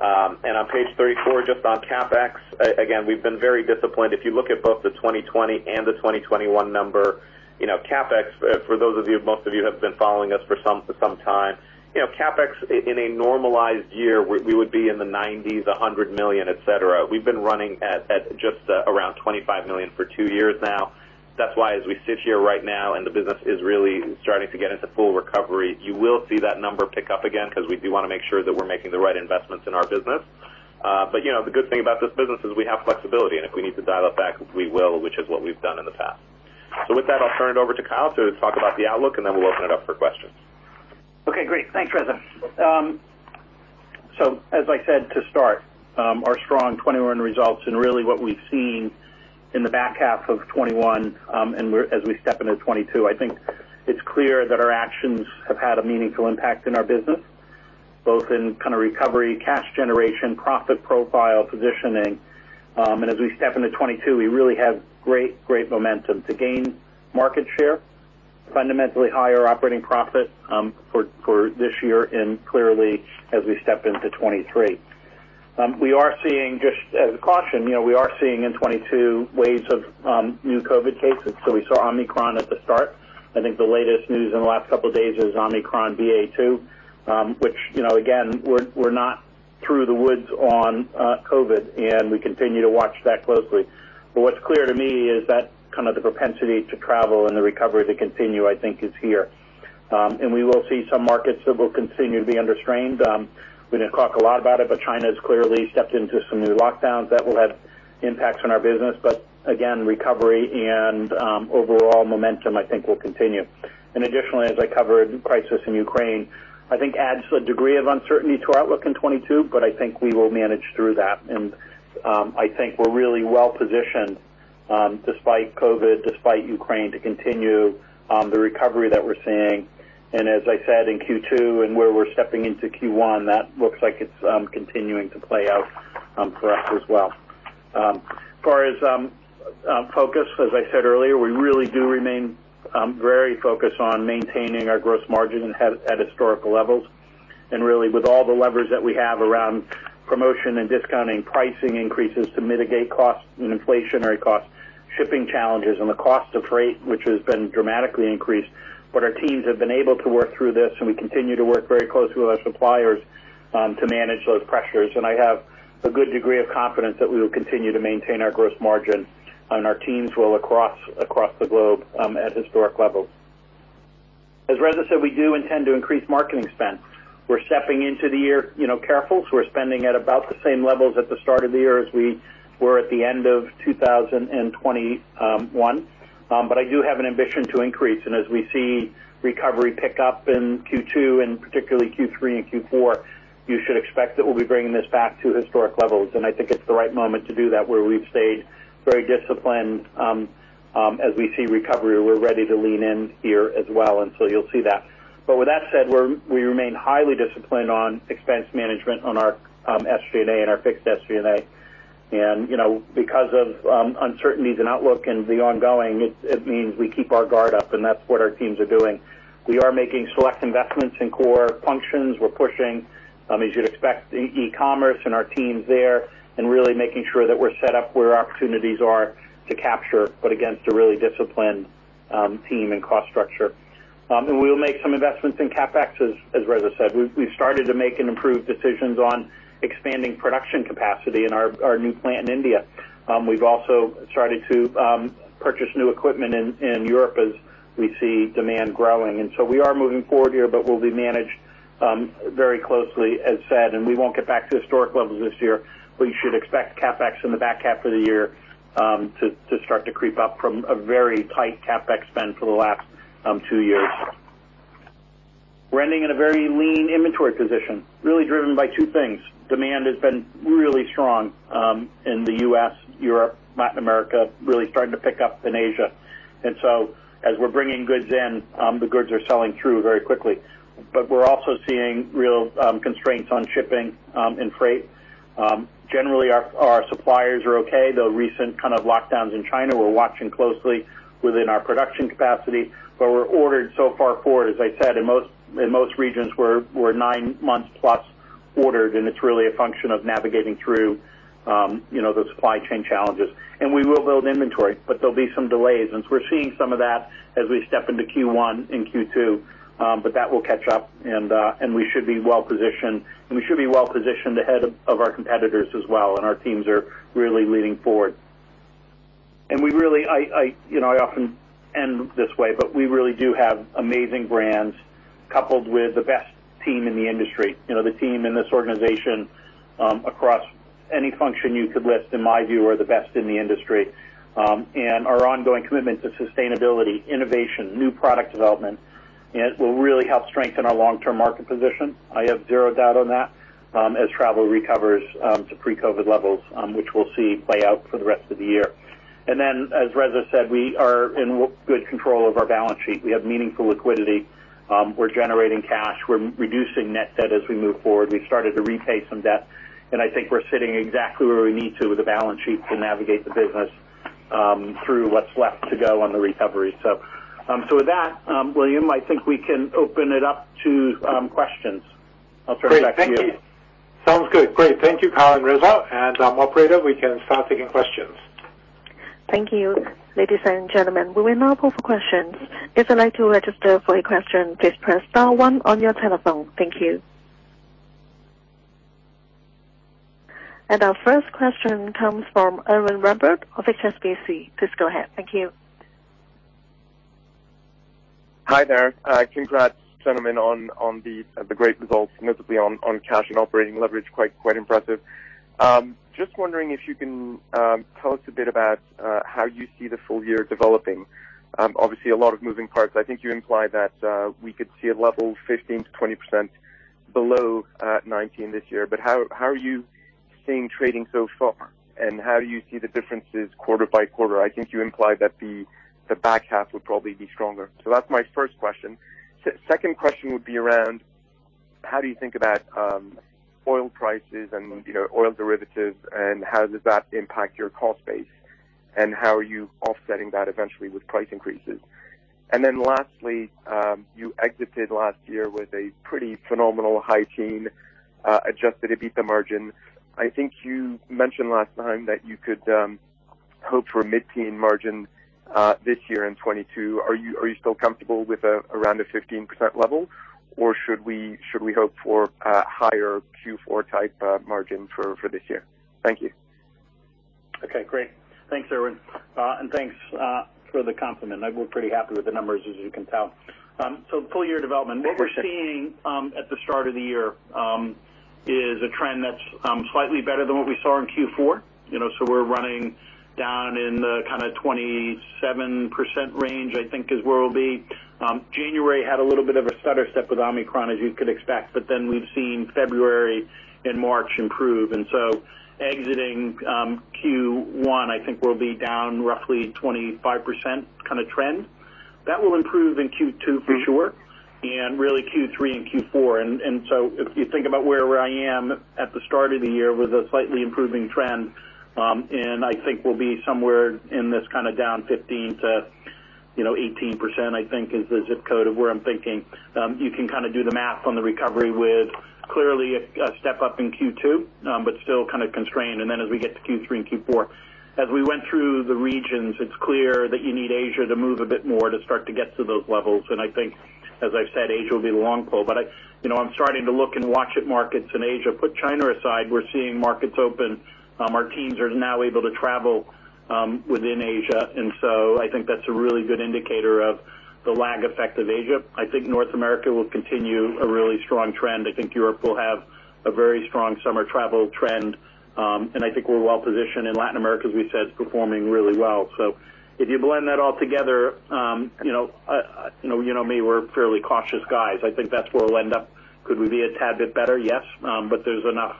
On page 34, just on CapEx, again, we've been very disciplined. If you look at both the 2020 and the 2021 number, you know, CapEx for those of you, most of you have been following us for some time. You know, CapEx in a normalized year, we would be in the 90s, $100 million, et cetera. We've been running at just around $25 million for two years now. That's why as we sit here right now and the business is really starting to get into full recovery, you will see that number pick up again because we do wanna make sure that we're making the right investments in our business. You know, the good thing about this business is we have flexibility, and if we need to dial it back, we will, which is what we've done in the past. With that, I'll turn it over to Kyle to talk about the outlook, and then we'll open it up for questions. Okay, great. Thanks, Reza. As I said to start, our strong 2021 results and really what we've seen in the back half of 2021, and as we step into 2022, I think it's clear that our actions have had a meaningful impact in our business, both in kind of recovery, cash generation, profit profile, positioning. As we step into 2022, we really have great momentum to gain market share, fundamentally higher operating profit, for this year and clearly as we step into 2023. We are seeing just as a caution, you know, in 2022 waves of new COVID cases. We saw Omicron at the start. I think the latest news in the last couple of days is Omicron BA.2, which, you know, again, we're not through the woods on COVID, and we continue to watch that closely. What's clear to me is that kind of the propensity to travel and the recovery to continue, I think is here. We will see some markets that will continue to be under strain. We didn't talk a lot about it, but China has clearly stepped into some new lockdowns that will have impacts on our business. Again, recovery and overall momentum I think will continue. Additionally, as I covered, crisis in Ukraine, I think adds a degree of uncertainty to our outlook in 2022, but I think we will manage through that. I think we're really well positioned, despite COVID, despite Ukraine, to continue the recovery that we're seeing. As I said in Q2 and where we're stepping into Q1, that looks like it's continuing to play out for us as well. As far as focus, as I said earlier, we really do remain very focused on maintaining our gross margin at historical levels. Really with all the levers that we have around promotion and discounting pricing increases to mitigate costs and inflationary costs, shipping challenges and the cost of freight, which has been dramatically increased. Our teams have been able to work through this, and we continue to work very closely with our suppliers to manage those pressures. I have a good degree of confidence that we will continue to maintain our gross margin, and our teams will across the globe at historic levels. As Reza said, we do intend to increase marketing spend. We're stepping into the year, you know, carefully. We're spending at about the same levels at the start of the year as we were at the end of 2021. I do have an ambition to increase. As we see recovery pick up in Q2 and particularly Q3 and Q4, you should expect that we'll be bringing this back to historic levels. I think it's the right moment to do that, where we've stayed very disciplined as we see recovery. We're ready to lean in here as well. You'll see that. With that said, we remain highly disciplined on expense management on our SG&A and our fixed SG&A. You know, because of uncertainties and outlook and the ongoing, it means we keep our guard up, and that's what our teams are doing. We are making select investments in core functions. We're pushing, as you'd expect, e-commerce and our teams there and really making sure that we're set up where our opportunities are to capture, but against a really disciplined team and cost structure. We will make some investments in CapEx, as Reza said. We've started to make and improve decisions on expanding production capacity in our new plant in India. We've also started to purchase new equipment in Europe as we see demand growing. We are moving forward here, but we'll be managed very closely, as said, and we won't get back to historic levels this year, but you should expect CapEx in the back half of the year to start to creep up from a very tight CapEx spend for the last two years. We're ending in a very lean inventory position, really driven by two things. Demand has been really strong in the U.S., Europe, Latin America, really starting to pick up in Asia. As we're bringing goods in, the goods are selling through very quickly. But we're also seeing real constraints on shipping and freight. Generally, our suppliers are okay. The recent kind of lockdowns in China we're watching closely within our production capacity. We're ordered so far forward, as I said, in most regions, we're nine months plus ordered, and it's really a function of navigating through, you know, the supply chain challenges. We will build inventory, but there'll be some delays. We're seeing some of that as we step into Q1 and Q2. That will catch up, and we should be well-positioned. We should be well-positioned ahead of our competitors as well, and our teams are really leaning forward. We really do have amazing brands coupled with the best team in the industry. You know, the team in this organization, across any function you could list, in my view, are the best in the industry. Our ongoing commitment to sustainability, innovation, new product development, and it will really help strengthen our long-term market position. I have zero doubt on that, as travel recovers to pre-COVID levels, which we'll see play out for the rest of the year. As Reza said, we are in good control of our balance sheet. We have meaningful liquidity. We're generating cash. We're reducing net debt as we move forward. We started to repay some debt. I think we're sitting exactly where we need to with the balance sheet to navigate the business through what's left to go on the recovery. With that, William, I think we can open it up to questions. I'll turn it back to you. Great. Thank you. Sounds good. Great. Thank you, Kyle and Reza. Operator, we can start taking questions. Thank you. Ladies and gentlemen, we will now open for questions. If you'd like to ask a question, please press star one on your telephone. Thank you. Our first question comes from Erwan Rambourg of HSBC. Please go ahead. Thank you. Hi there. Congrats, gentlemen, on the great results, notably on cash and operating leverage. Quite impressive. Just wondering if you can tell us a bit about how you see the full year developing. Obviously a lot of moving parts. I think you implied that we could see a level 15%-20% below 2019 this year. How are you seeing trading so far, and how do you see the differences quarter by quarter? I think you implied that the back half would probably be stronger. That's my first question. Second question would be around how do you think about oil prices and, you know, oil derivatives, and how does that impact your cost base, and how are you offsetting that eventually with price increases? Lastly, you exited last year with a pretty phenomenal high-teen adjusted EBITDA margin. I think you mentioned last time that you could hope for a mid-10 margin this year in 2022. Are you still comfortable with around a 15% level, or should we hope for a higher Q4-type margin for this year? Thank you. Okay. Great. Thanks, Erwan. And thanks for the compliment. We're pretty happy with the numbers, as you can tell. Full year development. What we're seeing at the start of the year is a trend that's slightly better than what we saw in Q4. You know, we're running down in the kind of 27% range, I think is where we'll be. January had a little bit of a stutter step with Omicron, as you could expect. Then we've seen February and March improve. Exiting Q1, I think we'll be down roughly 25% kind of trend. That will improve in Q2 for sure, and really Q3 and Q4. If you think about where I am at the start of the year with a slightly improving trend, and I think we'll be somewhere in this kind of down 15%-18%, I think, is the zip code of where I'm thinking. You can kind of do the math on the recovery with clearly a step-up in Q2, but still kind of constrained. Then as we get to Q3 and Q4, as we went through the regions, it's clear that you need Asia to move a bit more to start to get to those levels. I think, as I've said, Asia will be the long pole. But I, you know, I'm starting to look and watch at markets in Asia. Put China aside, we're seeing markets open. Our teams are now able to travel within Asia. I think that's a really good indicator of the lag effect of Asia. I think North America will continue a really strong trend. I think Europe will have a very strong summer travel trend. I think we're well-positioned. Latin America, as we said, is performing really well. If you blend that all together, you know me, we're fairly cautious guys. I think that's where we'll end up. Could we be a tad bit better? Yes. But there's enough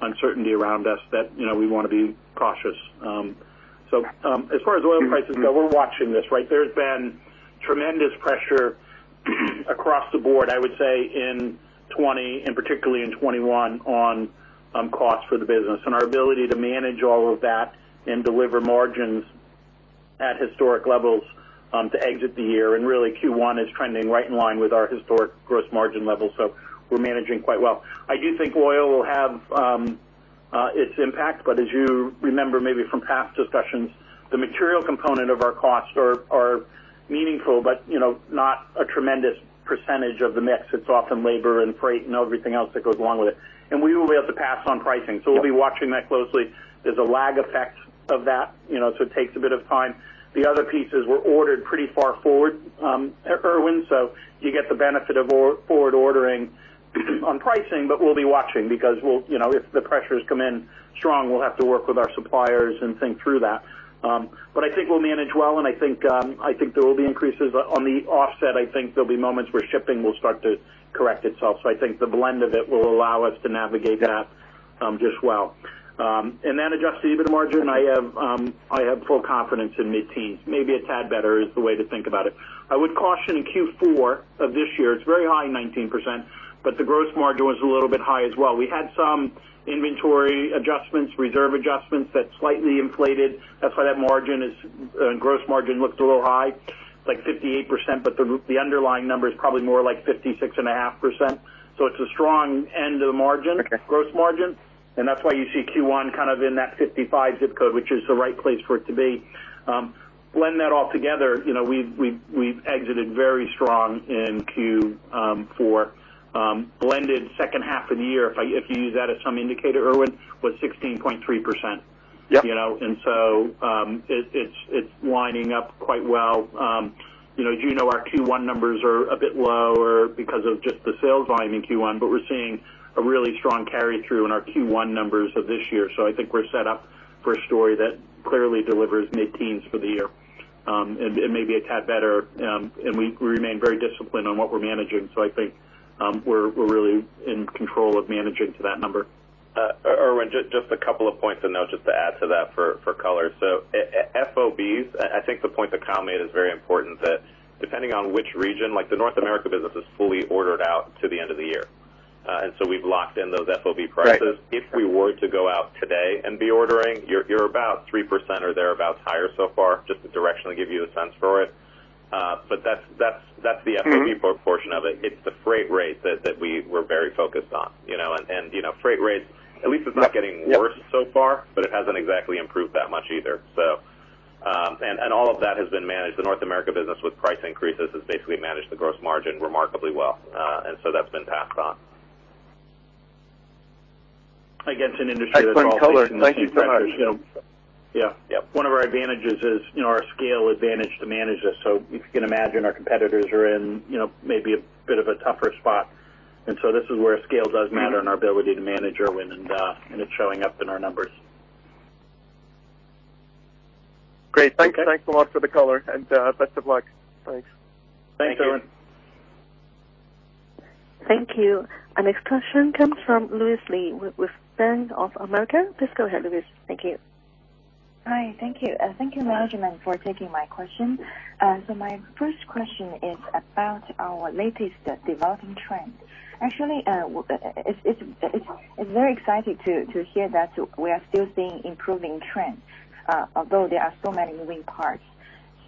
uncertainty around us that we wanna be cautious. As far as oil prices go, we're watching this, right? There's been tremendous pressure across the board, I would say, in 2020, and particularly in 2021, on costs for the business. Our ability to manage all of that and deliver margins at historic levels to exit the year, and really Q1 is trending right in line with our historic gross margin levels. We're managing quite well. I do think oil will have its impact. As you remember maybe from past discussions, the material component of our costs are meaningful, but you know, not a tremendous percentage of the mix. It's often labor and freight and everything else that goes along with it. We will be able to pass on pricing. We'll be watching that closely. There's a lag effect of that, you know, so it takes a bit of time. The other pieces were ordered pretty far forward, Erwan, so you get the benefit of forward ordering on pricing. We'll be watching because we'll, you know, if the pressures come in strong, we'll have to work with our suppliers and think through that. I think we'll manage well, and I think there will be increases. On the offset, I think there'll be moments where shipping will start to correct itself. I think the blend of it will allow us to navigate that, just well. Adjusting EBITDA margin, I have full confidence in mid-teens. Maybe a tad better is the way to think about it. I would caution in Q4 of this year, it's very high, 19%, but the gross margin was a little bit high as well. We had some inventory adjustments, reserve adjustments that slightly inflated. That's why that margin is gross margin looks a little high, like 58%, but the underlying number is probably more like 56.5%. It's a strong end of the margin. Okay. Gross margin. That's why you see Q1 kind of in that 55% zip code, which is the right place for it to be. Blend that all together, you know, we've exited very strong in Q4. Blended second half of the year, if you use that as some indicator, Erwan, was 16.3%. Yep. You know? It's lining up quite well. You know, as you know, our Q1 numbers are a bit lower because of just the sales volume in Q1, but we're seeing a really strong carry through in our Q1 numbers of this year. I think we're set up for a story that clearly delivers mid-teens for the year, and maybe a tad better. We remain very disciplined on what we're managing, so I think we're really in control of managing to that number. Erwan, just a couple of points, and then I'll just add to that for color. FOBs, I think the point that Kyle made is very important, that depending on which region, like the North America business is fully ordered out to the end of the year, and we've locked in those FOB prices. Right. If we were to go out today and be ordering, you're about 3% or thereabouts higher so far, just to directionally give you a sense for it. But that's the FOB- Mm-hmm. Portion of it. It's the freight rate that we were very focused on, you know? You know, freight rates, at least it's not getting worse so far, but it hasn't exactly improved that much either. And all of that has been managed. The North America business with price increases has basically managed the gross margin remarkably well. That's been passed on. Against an industry that's all facing the same pressures. Excellent color. Thank you so much. Yeah. Yep. One of our advantages is, you know, our scale advantage to manage this. So you can imagine our competitors are in, you know, maybe a bit of a tougher spot. This is where scale does matter and our ability to manage, Erwan, and it's showing up in our numbers. Great. Okay. Thanks. Thanks a lot for the color, and, best of luck. Thanks. Thanks, Erwan. Thank you. Thank you. Our next question comes from Louis Lee with Bank of America. Please go ahead, Louis. Thank you. Hi. Thank you. Thank you, management, for taking my question. My first question is about our latest developing trends. Actually, it's very exciting to hear that we are still seeing improving trends, although there are so many moving parts.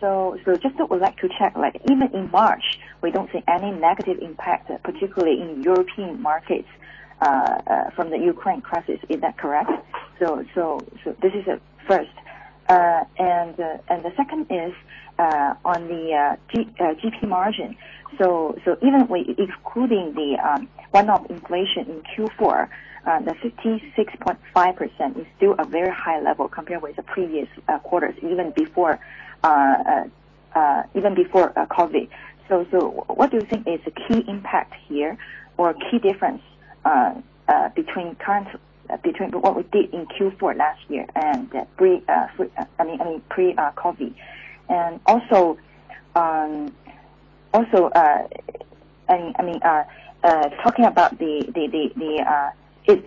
Just would like to check, like even in March, we don't see any negative impact, particularly in European markets, from the Ukraine crisis. Is that correct? This is first. The second is on the GP margin. Even we excluding the one-off inflation in Q4, the 56.5% is still a very high level compared with the previous quarters even before COVID. What do you think is the key impact here or key difference between what we did in Q4 last year and pre-COVID? Also, is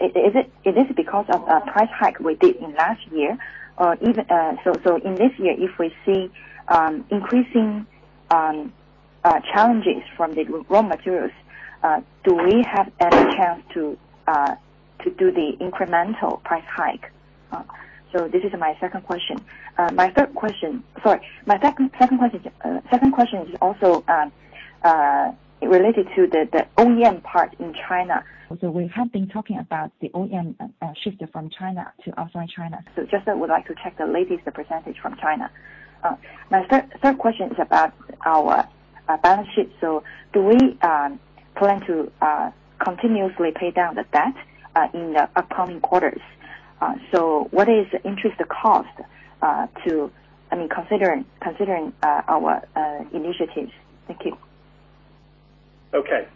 this because of price hike we did in last year? Or even in this year, if we see increasing challenges from the raw materials, do we have any chance to do the incremental price hike? This is my second question. Sorry. My second question is also related to the OEM part in China. We have been talking about the OEM shift from China to outside China. Just would like to check the latest percentage from China. My third question is about our balance sheet. Do we plan to continuously pay down the debt in the upcoming quarters? What is interest cost to, I mean, considering our initiatives? Thank you. Okay.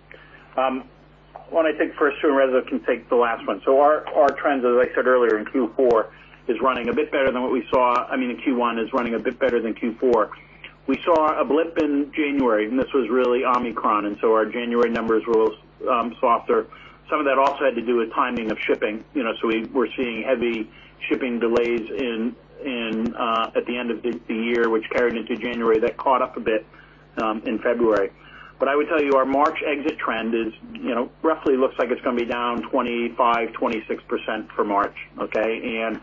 Why don't I take first two, and Reza can take the last one. Our trends, I mean, in Q1, is running a bit better than Q4. We saw a blip in January, and this was really Omicron, and our January numbers were a little softer. Some of that also had to do with timing of shipping. You know, we were seeing heavy shipping delays at the end of the year, which carried into January. That caught up a bit in February. I would tell you our March exit trend is, you know, roughly looks like it's gonna be down 25%-26% for March, okay?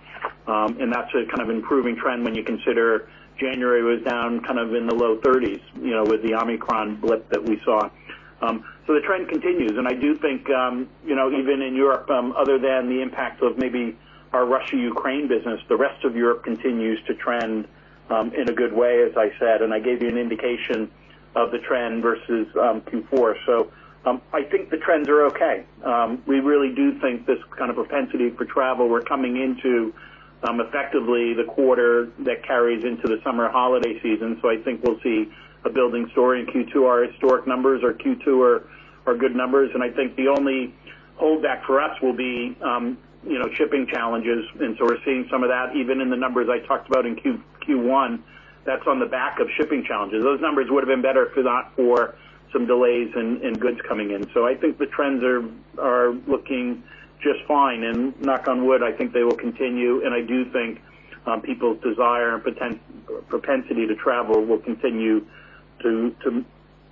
That's a kind of improving trend when you consider January was down kind of in the low 30s%, you know, with the Omicron blip that we saw. So the trend continues. I do think, you know, even in Europe, other than the impacts of maybe our Russia, Ukraine business, the rest of Europe continues to trend in a good way, as I said, and I gave you an indication of the trend versus Q4. So I think the trends are okay. We really do think this kind of propensity for travel, we're coming into effectively the quarter that carries into the summer holiday season. So I think we'll see a building story in Q2. Our historic numbers, our Q2 are good numbers. I think the only holdback for us will be, you know, shipping challenges. We're seeing some of that even in the numbers I talked about in Q1. That's on the back of shipping challenges. Those numbers would have been better if not for some delays in goods coming in. I think the trends are looking just fine. Knock on wood, I think they will continue. I do think people's desire and propensity to travel will continue to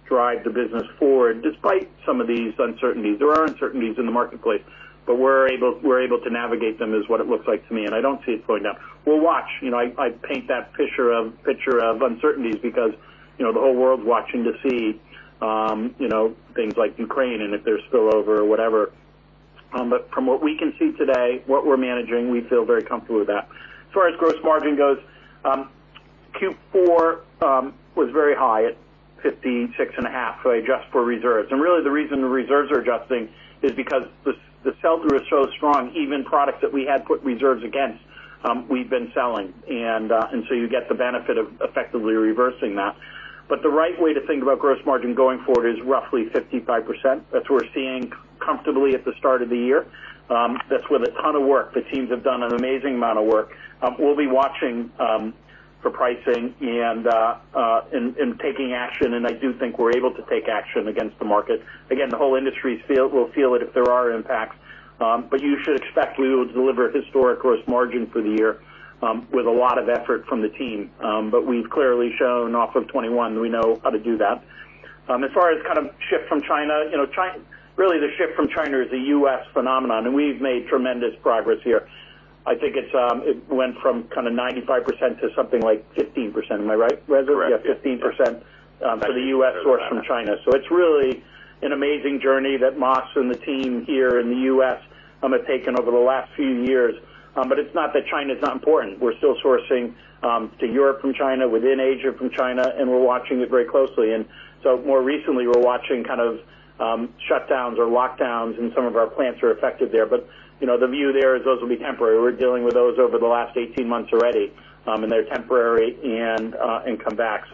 drive the business forward despite some of these uncertainties. There are uncertainties in the marketplace, but we're able to navigate them is what it looks like to me. I don't see it slowing down. We'll watch. You know, I paint that picture of uncertainties because, you know, the whole world's watching to see, you know, things like Ukraine and if there's spillover or whatever. From what we can see today, what we're managing, we feel very comfortable with that. As far as gross margin goes, Q4 was very high at 56.5% if I adjust for reserves. Really the reason the reserves are adjusting is because the sell-through is so strong, even products that we had put reserves against, we've been selling. And so you get the benefit of effectively reversing that. The right way to think about gross margin going forward is roughly 55%. That's what we're seeing comfortably at the start of the year. That's with a ton of work. The teams have done an amazing amount of work. We'll be watching for pricing and taking action. I do think we're able to take action against the market. Again, the whole industry will feel it if there are impacts. You should expect we will deliver historic gross margin for the year, with a lot of effort from the team. We've clearly shown off of 2021, we know how to do that. As far as kind of shift from China, you know, really the shift from China is a U.S. phenomenon, and we've made tremendous progress here. I think it's, it went from kind of 95% to something like 15%. Am I right, Reza? Correct. Yeah, 15% for the U.S. sourced from China. It's really an amazing journey that Mas and the team here in the U.S. have taken over the last few years. It's not that China's not important. We're still sourcing to Europe from China, within Asia from China, and we're watching it very closely. More recently, we're watching kind of shutdowns or lockdowns, and some of our plants are affected there. You know, the view there is those will be temporary. We're dealing with those over the last 18 months already, and they're temporary and come back.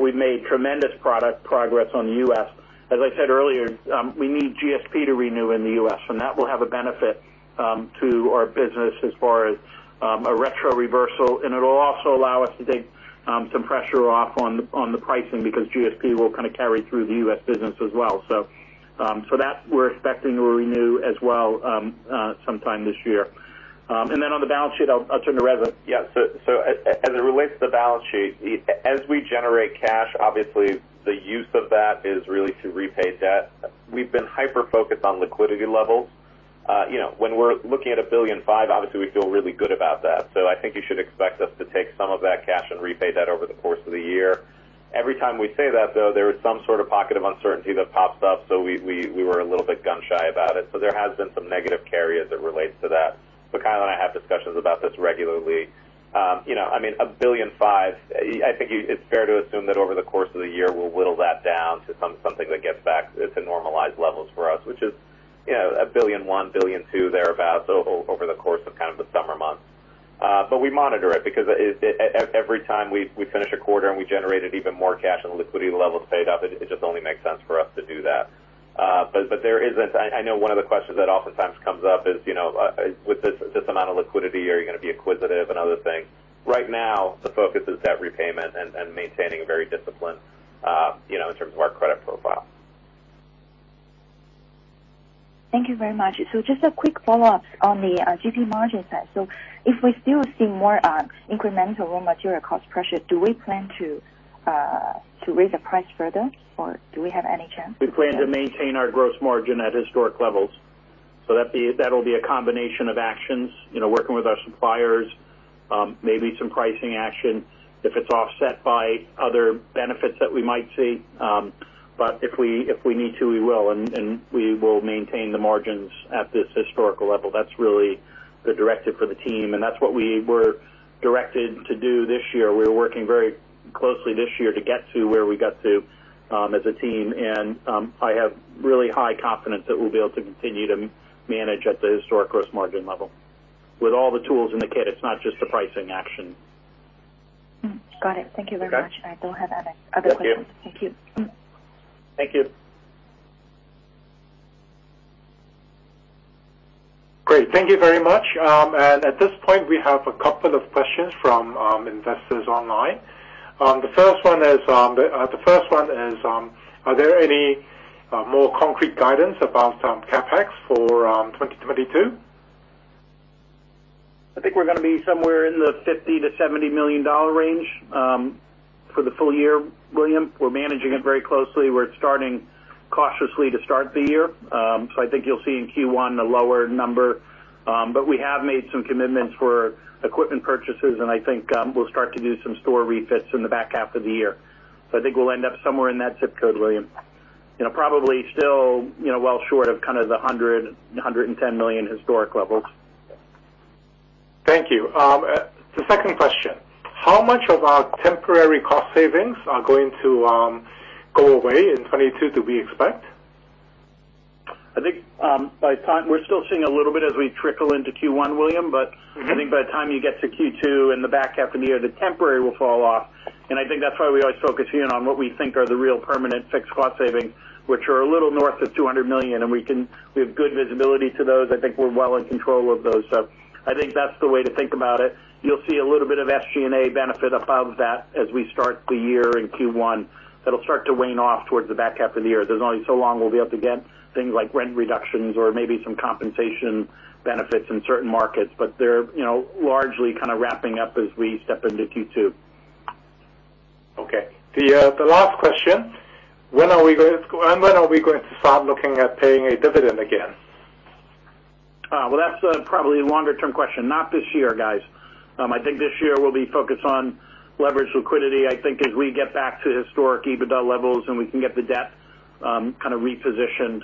We've made tremendous product progress on the U.S. As I said earlier, we need GSP to renew in the U.S., and that will have a benefit to our business as far as a retro reversal. It'll also allow us to take some pressure off on the pricing because GSP will kind of carry through the U.S. business as well, so that we're expecting to renew as well sometime this year. On the balance sheet, I'll turn to Reza. Yeah. As it relates to the balance sheet, as we generate cash, obviously the use of that is really to repay debt. We've been hyper-focused on liquidity levels. You know, when we're looking at $1.5 billion, obviously we feel really good about that. I think you should expect us to take some of that cash and repay debt over the course of the year. Every time we say that though, there is some sort of pocket of uncertainty that pops up, so we were a little bit gun shy about it. There has been some negative carry as it relates to that. Kyle and I have discussions about this regularly. You know, I mean, $1.5 billion. I think you—it's fair to assume that over the course of the year, we'll whittle that down to something that gets back to normalized levels for us, which is, you know, $1.1 billion, $1.2 billion, thereabout, over the course of kind of the summer months. But we monitor it because every time we finish a quarter and we generated even more cash and the liquidity levels stayed up, it just only makes sense for us to do that. But I know one of the questions that oftentimes comes up is, you know, with this amount of liquidity, are you gonna be acquisitive and other things? Right now, the focus is debt repayment and maintaining a very disciplined, you know, in terms of our credit profile. Thank you very much. Just a quick follow-up on the GP margin side. If we still see more incremental raw material cost pressure, do we plan to raise the price further, or do we have any chance? We plan to maintain our gross margin at historic levels. That'll be a combination of actions, you know, working with our suppliers, maybe some pricing action if it's offset by other benefits that we might see. If we need to, we will. We will maintain the margins at this historical level. That's really the directive for the team, and that's what we were directed to do this year. We were working very closely this year to get to where we got to, as a team. I have really high confidence that we'll be able to continue to manage at the historic gross margin level with all the tools in the kit. It's not just a pricing action. Got it. Thank you very much. Okay. I don't have other questions. Thank you. Thank you. Thank you. Great. Thank you very much. At this point, we have a couple of questions from investors online. The first one is, are there any more concrete guidance about CapEx for 2022? I think we're gonna be somewhere in the $50 million-$70 million range. For the full year, William, we're managing it very closely. We're starting cautiously to start the year. I think you'll see in Q1 a lower number. We have made some commitments for equipment purchases, and I think we'll start to do some store refits in the back half of the year. I think we'll end up somewhere in that zip code, William. You know, probably still, you know, well short of kind of the $110 million historic levels. Thank you. The second question: How much of our temporary cost savings are going to go away in 2022, do we expect? I think we're still seeing a little bit as we trickle into Q1, William. Mm-hmm. I think by the time you get to Q2 in the back half of the year, the temporary will fall off. I think that's why we always focus, you know, on what we think are the real permanent fixed cost savings, which are a little north of $200 million, and we have good visibility to those. I think we're well in control of those. I think that's the way to think about it. You'll see a little bit of SG&A benefit above that as we start the year in Q1. That'll start to wane off towards the back half of the year. There's only so long we'll be able to get things like rent reductions or maybe some compensation benefits in certain markets, but they're, you know, largely kind of wrapping up as we step into Q2. Okay. The last question: When are we going to start looking at paying a dividend again? Well, that's probably a longer term question. Not this year, guys. I think this year we'll be focused on leverage liquidity. I think as we get back to historic EBITDA levels and we can get the debt, kind of repositioned,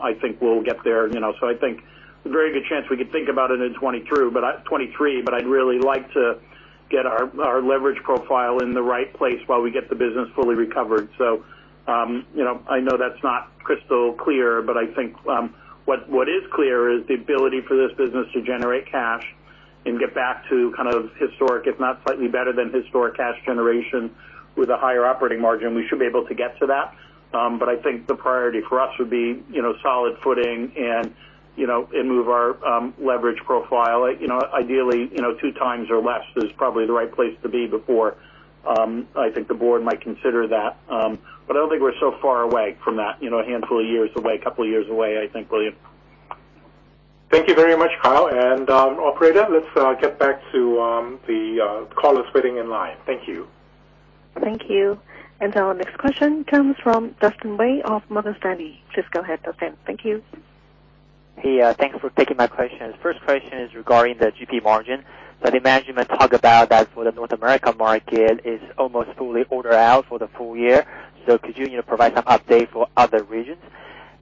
I think we'll get there, you know. I think a very good chance we could think about it in 2022, but 2023, but I'd really like to get our leverage profile in the right place while we get the business fully recovered. You know, I know that's not crystal clear, but I think what is clear is the ability for this business to generate cash and get back to kind of historic, if not slightly better than historic cash generation with a higher operating margin. We should be able to get to that. I think the priority for us would be, you know, solid footing and move our leverage profile. You know, ideally, you know, 2x or less is probably the right place to be before I think the board might consider that. I don't think we're so far away from that, you know, a handful of years away, a couple of years away, I think, William. Thank you very much, Kyle. Operator, let's get back to the callers waiting in line. Thank you. Thank you. Our next question comes from Dustin Wei of Morgan Stanley. Please go ahead, Dustin. Thank you. Hey, thanks for taking my questions. First question is regarding the GP margin. The management talk about that for the North America market is almost fully ordered out for the full year. Could you know, provide some update for other regions?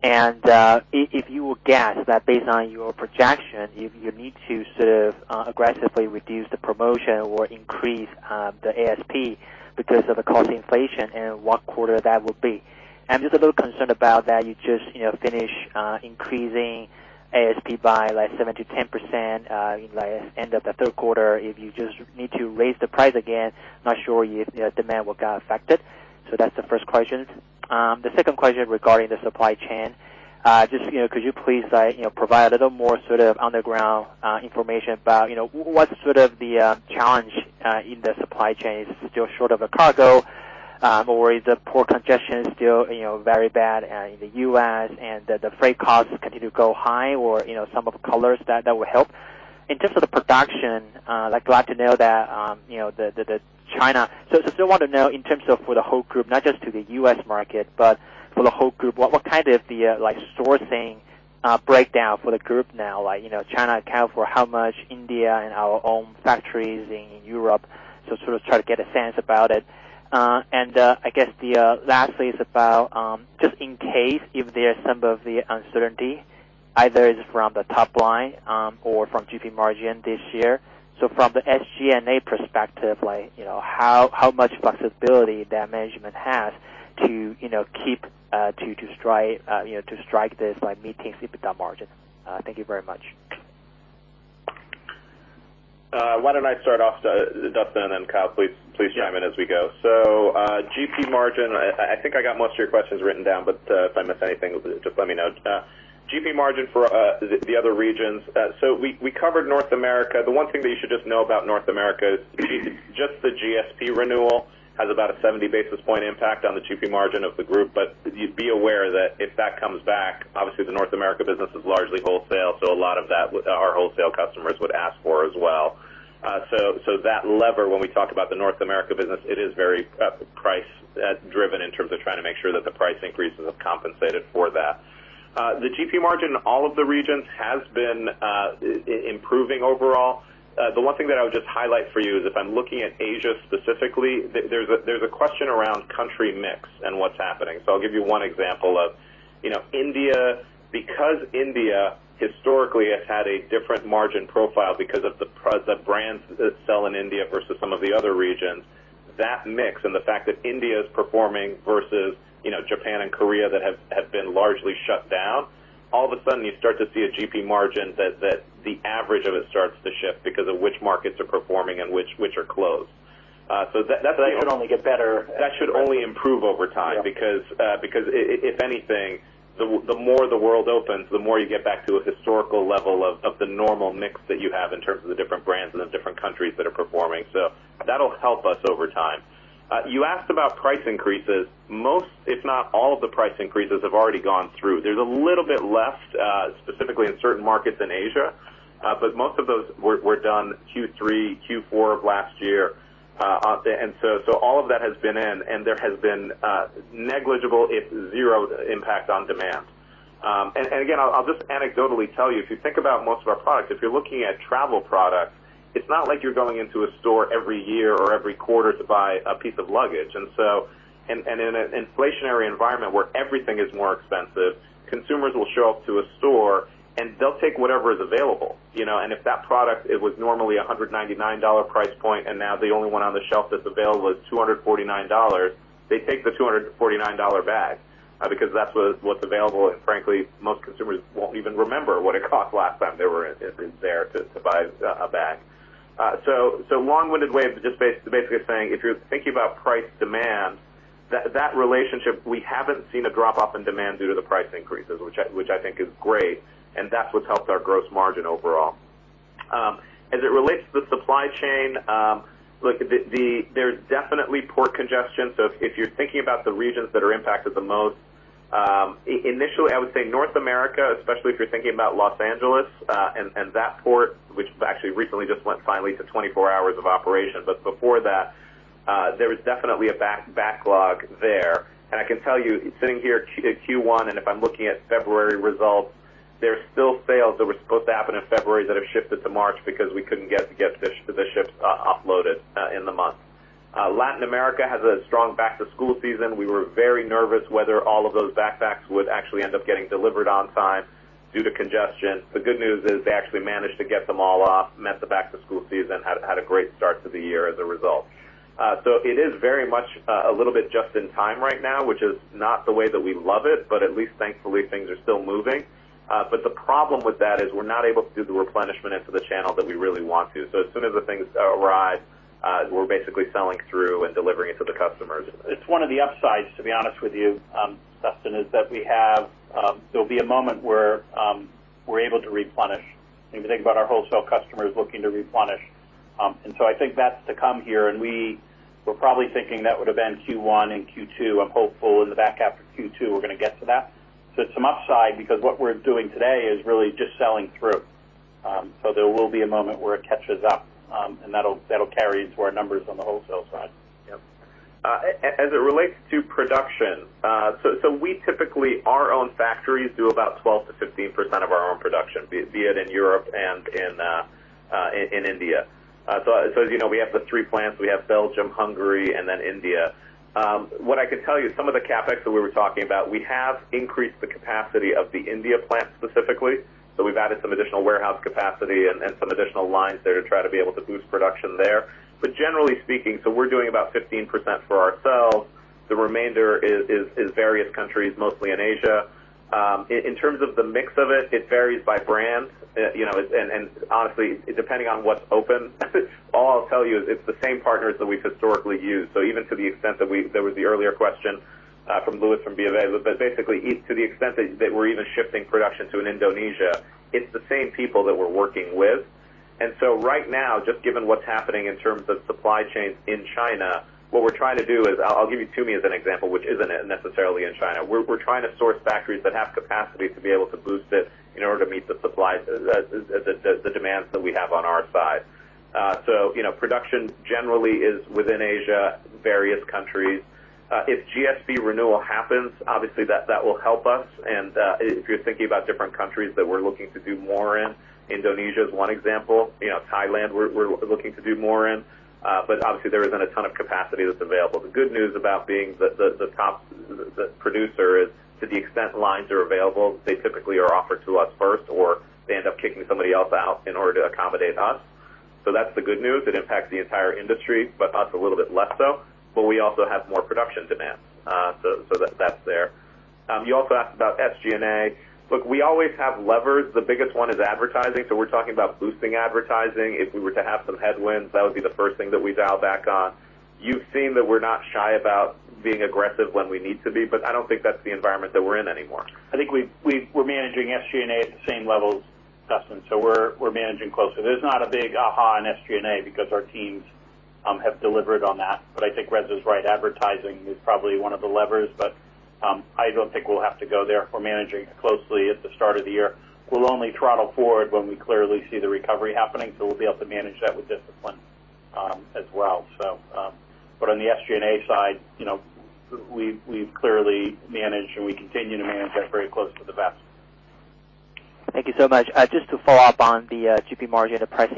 If you would guess that based on your projection, you need to sort of aggressively reduce the promotion or increase the ASP because of the cost inflation and what quarter that would be. I'm just a little concerned about that you just, you know, finished increasing ASP by like 7%-10% in the end of the third quarter. If you just need to raise the price again, I'm not sure if the demand will get affected. That's the first question. The second question regarding the supply chain. Just, you know, could you please provide a little more sort of on the ground information about, you know, what's sort of the challenge in the supply chain? Is it still short of a cargo, or is the port congestion still, you know, very bad in the U.S. and the freight costs continue to go high or, you know, some of the colors that would help. In terms of the production, I'd like to know that, you know, the China. I still want to know in terms of for the whole group, not just to the U.S. market, but for the whole group, what kind of the like sourcing breakdown for the group now? Like, you know, China account for how much India and our own factories in Europe. Sort of try to get a sense about it. I guess the lastly is about just in case if there are some of the uncertainty, either is from the top line or from GP margin this year. From the SG&A perspective, like, you know, how much flexibility that management has to, you know, keep to strike, you know, to strike this, like, meeting EBITDA margin. Thank you very much. Why don't I start off, Dustin, and then Kyle, please chime in as we go. GP margin, I think I got most of your questions written down, but if I miss anything, just let me know. GP margin for the other regions. We covered North America. The one thing that you should just know about North America is just the GSP renewal has about a 70-basis point impact on the GP margin of the group. Be aware that if that comes back, obviously the North America business is largely wholesale, so a lot of that our wholesale customers would ask for as well. That lever, when we talk about the North America business, it is very price driven in terms of trying to make sure that the price increases have compensated for that. The GP margin, all of the regions has been improving overall. The one thing that I would just highlight for you is if I'm looking at Asia specifically, there's a question around country mix and what's happening. I'll give you one example of, you know, India, because India historically has had a different margin profile because of the brands that sell in India versus some of the other regions, that mix and the fact that India is performing versus, you know, Japan and Korea that have been largely shut down. All of a sudden, you start to see a GP margin that the average of it starts to shift because of which markets are performing and which are closed. That should only get better. That should only improve over time. Yeah. Because if anything, the more the world opens, the more you get back to a historical level of the normal mix that you have in terms of the different brands and the different countries that are performing. That'll help us over time. You asked about price increases. Most, if not all of the price increases have already gone through. There's a little bit left, specifically in certain markets in Asia. Most of those were done Q3, Q4 of last year out there. All of that has been in, and there has been negligible, if zero impact on demand. Again, I'll just anecdotally tell you, if you think about most of our products, if you're looking at travel products, it's not like you're going into a store every year or every quarter to buy a piece of luggage. In an inflationary environment where everything is more expensive, consumers will show up to a store and they'll take whatever is available, you know. If that product, it was normally a $199 price point, and now the only one on the shelf that's available is $249, they take the $249 bag, because that's what's available. Frankly, most consumers won't even remember what it cost last time they were in there to buy a bag. Long-winded way of just basically saying if you're thinking about price demand, that relationship, we haven't seen a drop off in demand due to the price increases, which I think is great, and that's what's helped our gross margin overall. As it relates to the supply chain, look, there's definitely port congestion. If you're thinking about the regions that are impacted the most, initially, I would say North America, especially if you're thinking about Los Angeles, and that port, which actually recently just went finally to 24 hours of operation. Before that, there was definitely a backlog there. I can tell you sitting here Q1, and if I'm looking at February results, there are still sales that were supposed to happen in February that have shifted to March because we couldn't get the ships offloaded in the month. Latin America has a strong back to school season. We were very nervous whether all of those backpacks would actually end up getting delivered on time due to congestion. The good news is they actually managed to get them all off, met the back-to-school season, had a great start to the year as a result. It is very much a little bit just in time right now, which is not the way that we love it, but at least thankfully, things are still moving. The problem with that is we're not able to do the replenishment into the channel that we really want to. As soon as the things arrive, we're basically selling through and delivering it to the customers. It's one of the upsides, to be honest with you, Dustin, is that we have there'll be a moment where we're able to replenish and think about our wholesale customers looking to replenish. I think that's to come here. We were probably thinking that would have been Q1 and Q2. I'm hopeful in the back half of Q2, we're gonna get to that. Some upside, because what we're doing today is really just selling through. There will be a moment where it catches up, and that'll carry into our numbers on the wholesale side. Yes. As it relates to production, we typically, our own factories do about 12%-15% of our own production, be it in Europe and in India. As you know, we have the three plants. We have Belgium, Hungary, and then India. What I can tell you, some of the CapEx that we were talking about, we have increased the capacity of the India plant specifically. We've added some additional warehouse capacity and some additional lines there to try to be able to boost production there. But generally speaking, we're doing about 15% for ourselves. The remainder is various countries, mostly in Asia. In terms of the mix of it varies by brands, you know, and honestly, depending on what's open. All I'll tell you is it's the same partners that we've historically used. Even to the extent that there was the earlier question from Louis from BofA. Basically, to the extent that we're even shifting production to Indonesia, it's the same people that we're working with. Right now, just given what's happening in terms of supply chains in China, what we're trying to do is I'll give you Tumi as an example, which isn't necessarily in China. We're trying to source factories that have capacity to be able to boost it in order to meet the supply, the demands that we have on our side. Production generally is within Asia, various countries. If GSP renewal happens, obviously that will help us. If you're thinking about different countries that we're looking to do more in, Indonesia is one example. You know, Thailand, we're looking to do more in. Obviously, there isn't a ton of capacity that's available. The good news about being the top producer is to the extent lines are available, they typically are offered to us first, or they end up kicking somebody else out in order to accommodate us. That's the good news. It impacts the entire industry, but us a little bit less so. We also have more production demand. That's there. You also asked about SG&A. Look, we always have levers. The biggest one is advertising, so we're talking about boosting advertising. If we were to have some headwinds, that would be the first thing that we dial back on. You've seen that we're not shy about being aggressive when we need to be, but I don't think that's the environment that we're in anymore. I think we're managing SG&A at the same levels, Dustin. We're managing closely. There's not a big aha on SG&A because our teams have delivered on that. I think Reza is right. Advertising is probably one of the levers, but I don't think we'll have to go there. We're managing it closely at the start of the year. We'll only throttle forward when we clearly see the recovery happening, so we'll be able to manage that with discipline, as well. On the SG&A side, you know, we've clearly managed, and we continue to manage that very close to the best. Thank you so much. Just to follow up on the GP margin, the price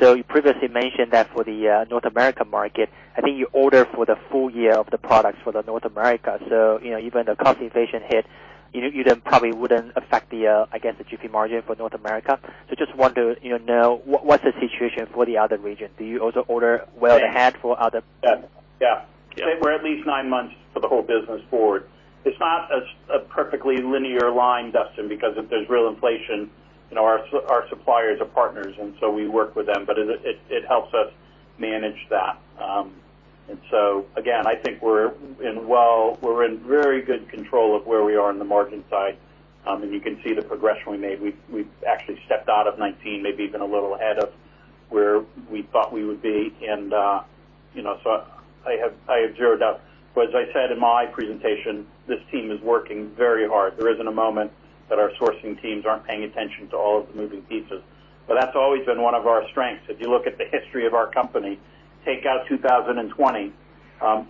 increase. You previously mentioned that for the North America market, I think you order for the full year of the products for the North America. You know, even the cost inflation hit, you then probably wouldn't affect the, I guess, the GP margin for North America. Just wonder, you know, what's the situation for the other region? Do you also order well ahead for other- Yeah. Yeah. Yeah. So we're at least nine months for the whole business forward. It's not a perfectly linear line, Dustin, because if there's real inflation, you know, our suppliers are partners, and so we work with them, but it helps us manage that. Again, I think we're in very good control of where we are in the margin side. You can see the progression we made. We've actually stepped ahead of 2019, maybe even a little ahead of where we thought we would be, so I have zero doubt. As I said in my presentation, this team is working very hard. There isn't a moment that our sourcing teams aren't paying attention to all of the moving pieces. That's always been one of our strengths. If you look at the history of our company, take out 2020,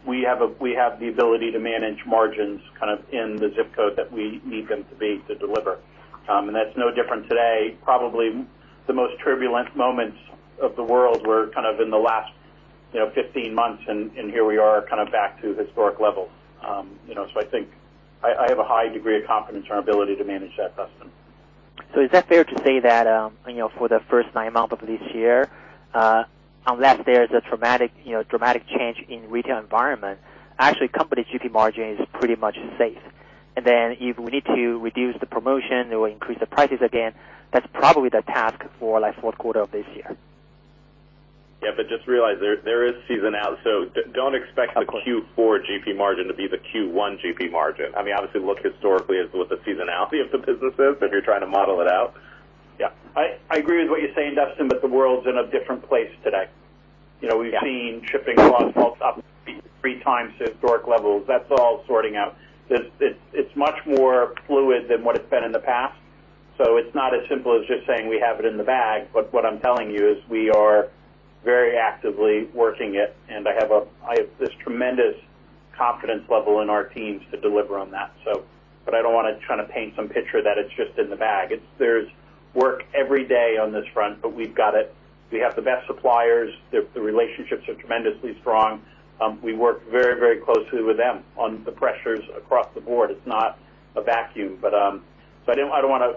we have the ability to manage margins kind of in the zip code that we need them to be to deliver. That's no different today. Probably the most turbulent moments of the world were kind of in the last 15 months, and here we are kind of back to historic levels. I think I have a high degree of confidence in our ability to manage that, Dustin. Is that fair to say that, you know, for the first nine months of this year, unless there's a dramatic change in retail environment, actually company GP margin is pretty much safe. If we need to reduce the promotion or increase the prices again, that's probably the task for like fourth quarter of this year. Just realize there is seasonality, so don't expect- Of course. The Q4 GP margin to be the Q1 GP margin. I mean, obviously look historically at what the seasonality of the business is if you're trying to model it out. Yeah. I agree with what you're saying, Dustin, but the worlds in a different place today. You know, we've seen shipping costs up three times to historic levels. That's all sorting out. It's much more fluid than what it's been in the past. It's not as simple as just saying we have it in the bag. What I'm telling you is we are very actively working it. I have this tremendous confidence level in our teams to deliver on that. I don't wanna try to paint some picture that it's just in the bag. It's, there's work every day on this front, but we've got it. We have the best suppliers. The relationships are tremendously strong. We work very, very closely with them on the pressures across the board. It's not a vacuum, but so I don't wanna,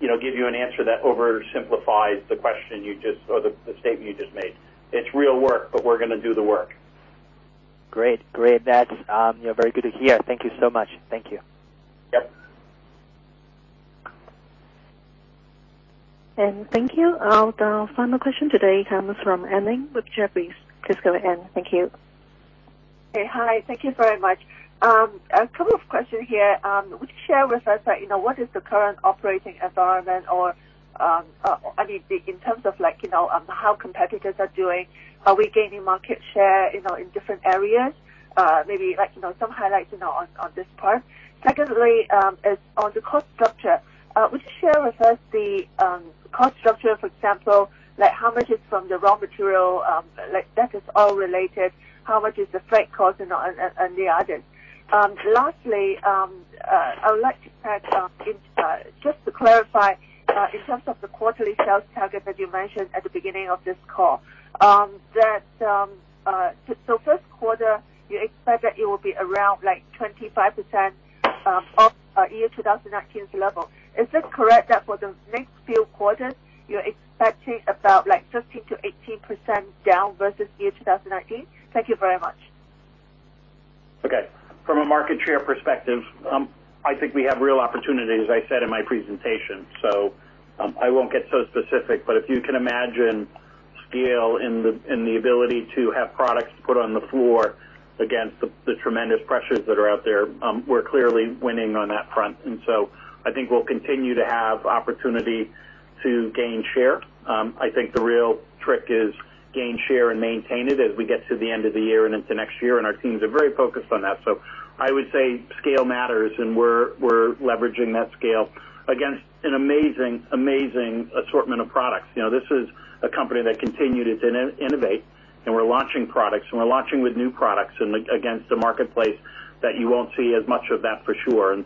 you know, give you an answer that oversimplifies the question you just or the statement you just made. It's real work, but we're gonna do the work. Great. That's very good to hear. Thank you so much. Thank you. Yep. Thank you. The final question today comes from Anne Ling with Jefferies. Please go ahead. Thank you. Hey. Hi. Thank you very much. A couple of questions here. Would you share with us, like, you know, what is the current operating environment or, I mean, in terms of like, you know, how competitors are doing? Are we gaining market share, you know, in different areas? Maybe like, you know, some highlights, you know, on this part. Secondly, is on the cost structure. Would you share with us the cost structure, for example, like how much is from the raw material, like that is all related, how much is the freight cost, you know, and the others. Lastly, I would like to add, just to clarify, in terms of the quarterly sales target that you mentioned at the beginning of this call, that first quarter, you expect that it will be around like 25% of 2019's level. Is this correct that for the next few quarters you're expecting about like 15%-18% down versus 2019? Thank you very much. Okay. From a market share perspective, I think we have real opportunity, as I said in my presentation. I won't get so specific, but if you can imagine scale in the ability to have products put on the floor against the tremendous pressures that are out there, we're clearly winning on that front. I think we'll continue to have opportunity to gain share. I think the real trick is gain share and maintain it as we get to the end of the year and into next year, and our teams are very focused on that. I would say scale matters, and we're leveraging that scale against an amazing assortment of products. You know, this is a company that continued to innovate, and we're launching products, and we're launching with new products against a marketplace that you won't see as much of that for sure.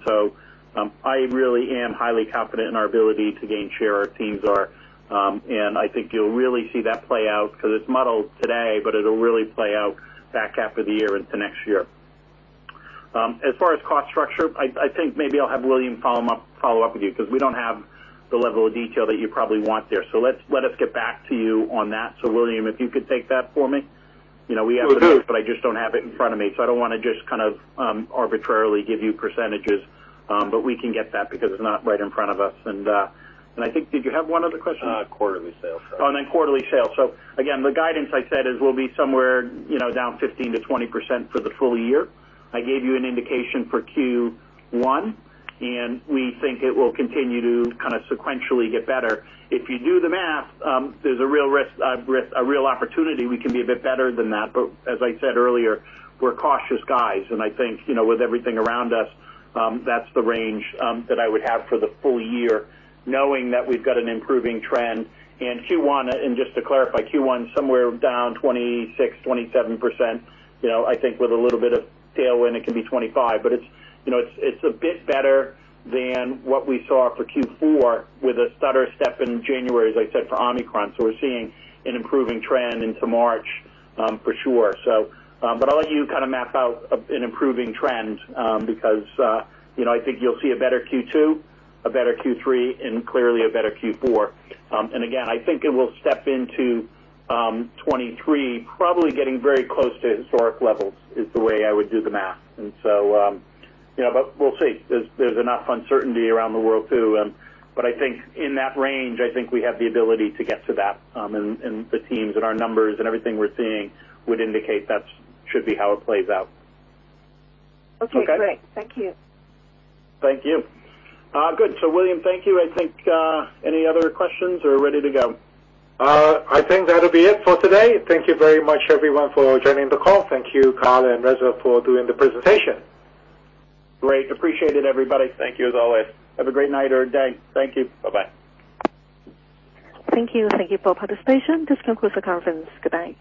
I really am highly confident in our ability to gain share. Our teams are, and I think you'll really see that play out because it's muddled today, but it'll really play out back after the year into next year. As far as cost structure, I think maybe I'll have William follow up with you because we don't have the level of detail that you probably want there. Let us get back to you on that. William, if you could take that for me. You know, we have the numbers, but I just don't have it in front of me, so I don't wanna just kind of arbitrarily give you percentages. We can get that because it's not right in front of us. I think, did you have one other question? On quarterly sales. Oh, on quarterly sales. Again, the guidance I said is we'll be somewhere, you know, down 15%-20% for the full year. I gave you an indication for Q1, and we think it will continue to kind of sequentially get better. If you do the math, there's a real risk, a real opportunity we can be a bit better than that. But as I said earlier, we're cautious guys, and I think, you know, with everything around us, that's the range that I would have for the full year, knowing that we've got an improving trend. In Q1, and just to clarify, Q1 somewhere down 26%-27%. You know, I think with a little bit of tailwind, it can be 25%. It's a bit better than what we saw for Q4 with a stutter step in January, as I said, for Omicron. We're seeing an improving trend into March, for sure. I'll let you kind of map out an improving trend, because, you know, I think you'll see a better Q2, a better Q3, and clearly a better Q4. Again, I think it will step into 2023 probably getting very close to historic levels, is the way I would do the math. You know, we'll see. There's enough uncertainty around the world, too, but I think in that range, I think we have the ability to get to that, and the teams and our numbers and everything we're seeing would indicate that should be how it plays out. Okay, great. Okay? Thank you. Thank you. Good. William, thank you. I think, any other questions or ready to go? I think that'll be it for today. Thank you very much everyone for joining the call. Thank you, Kyle and Reza, for doing the presentation. Great. Appreciate it, everybody. Thank you as always. Have a great night or day. Thank you. Bye-bye. Thank you. Thank you for participation. This concludes the conference. Goodbye.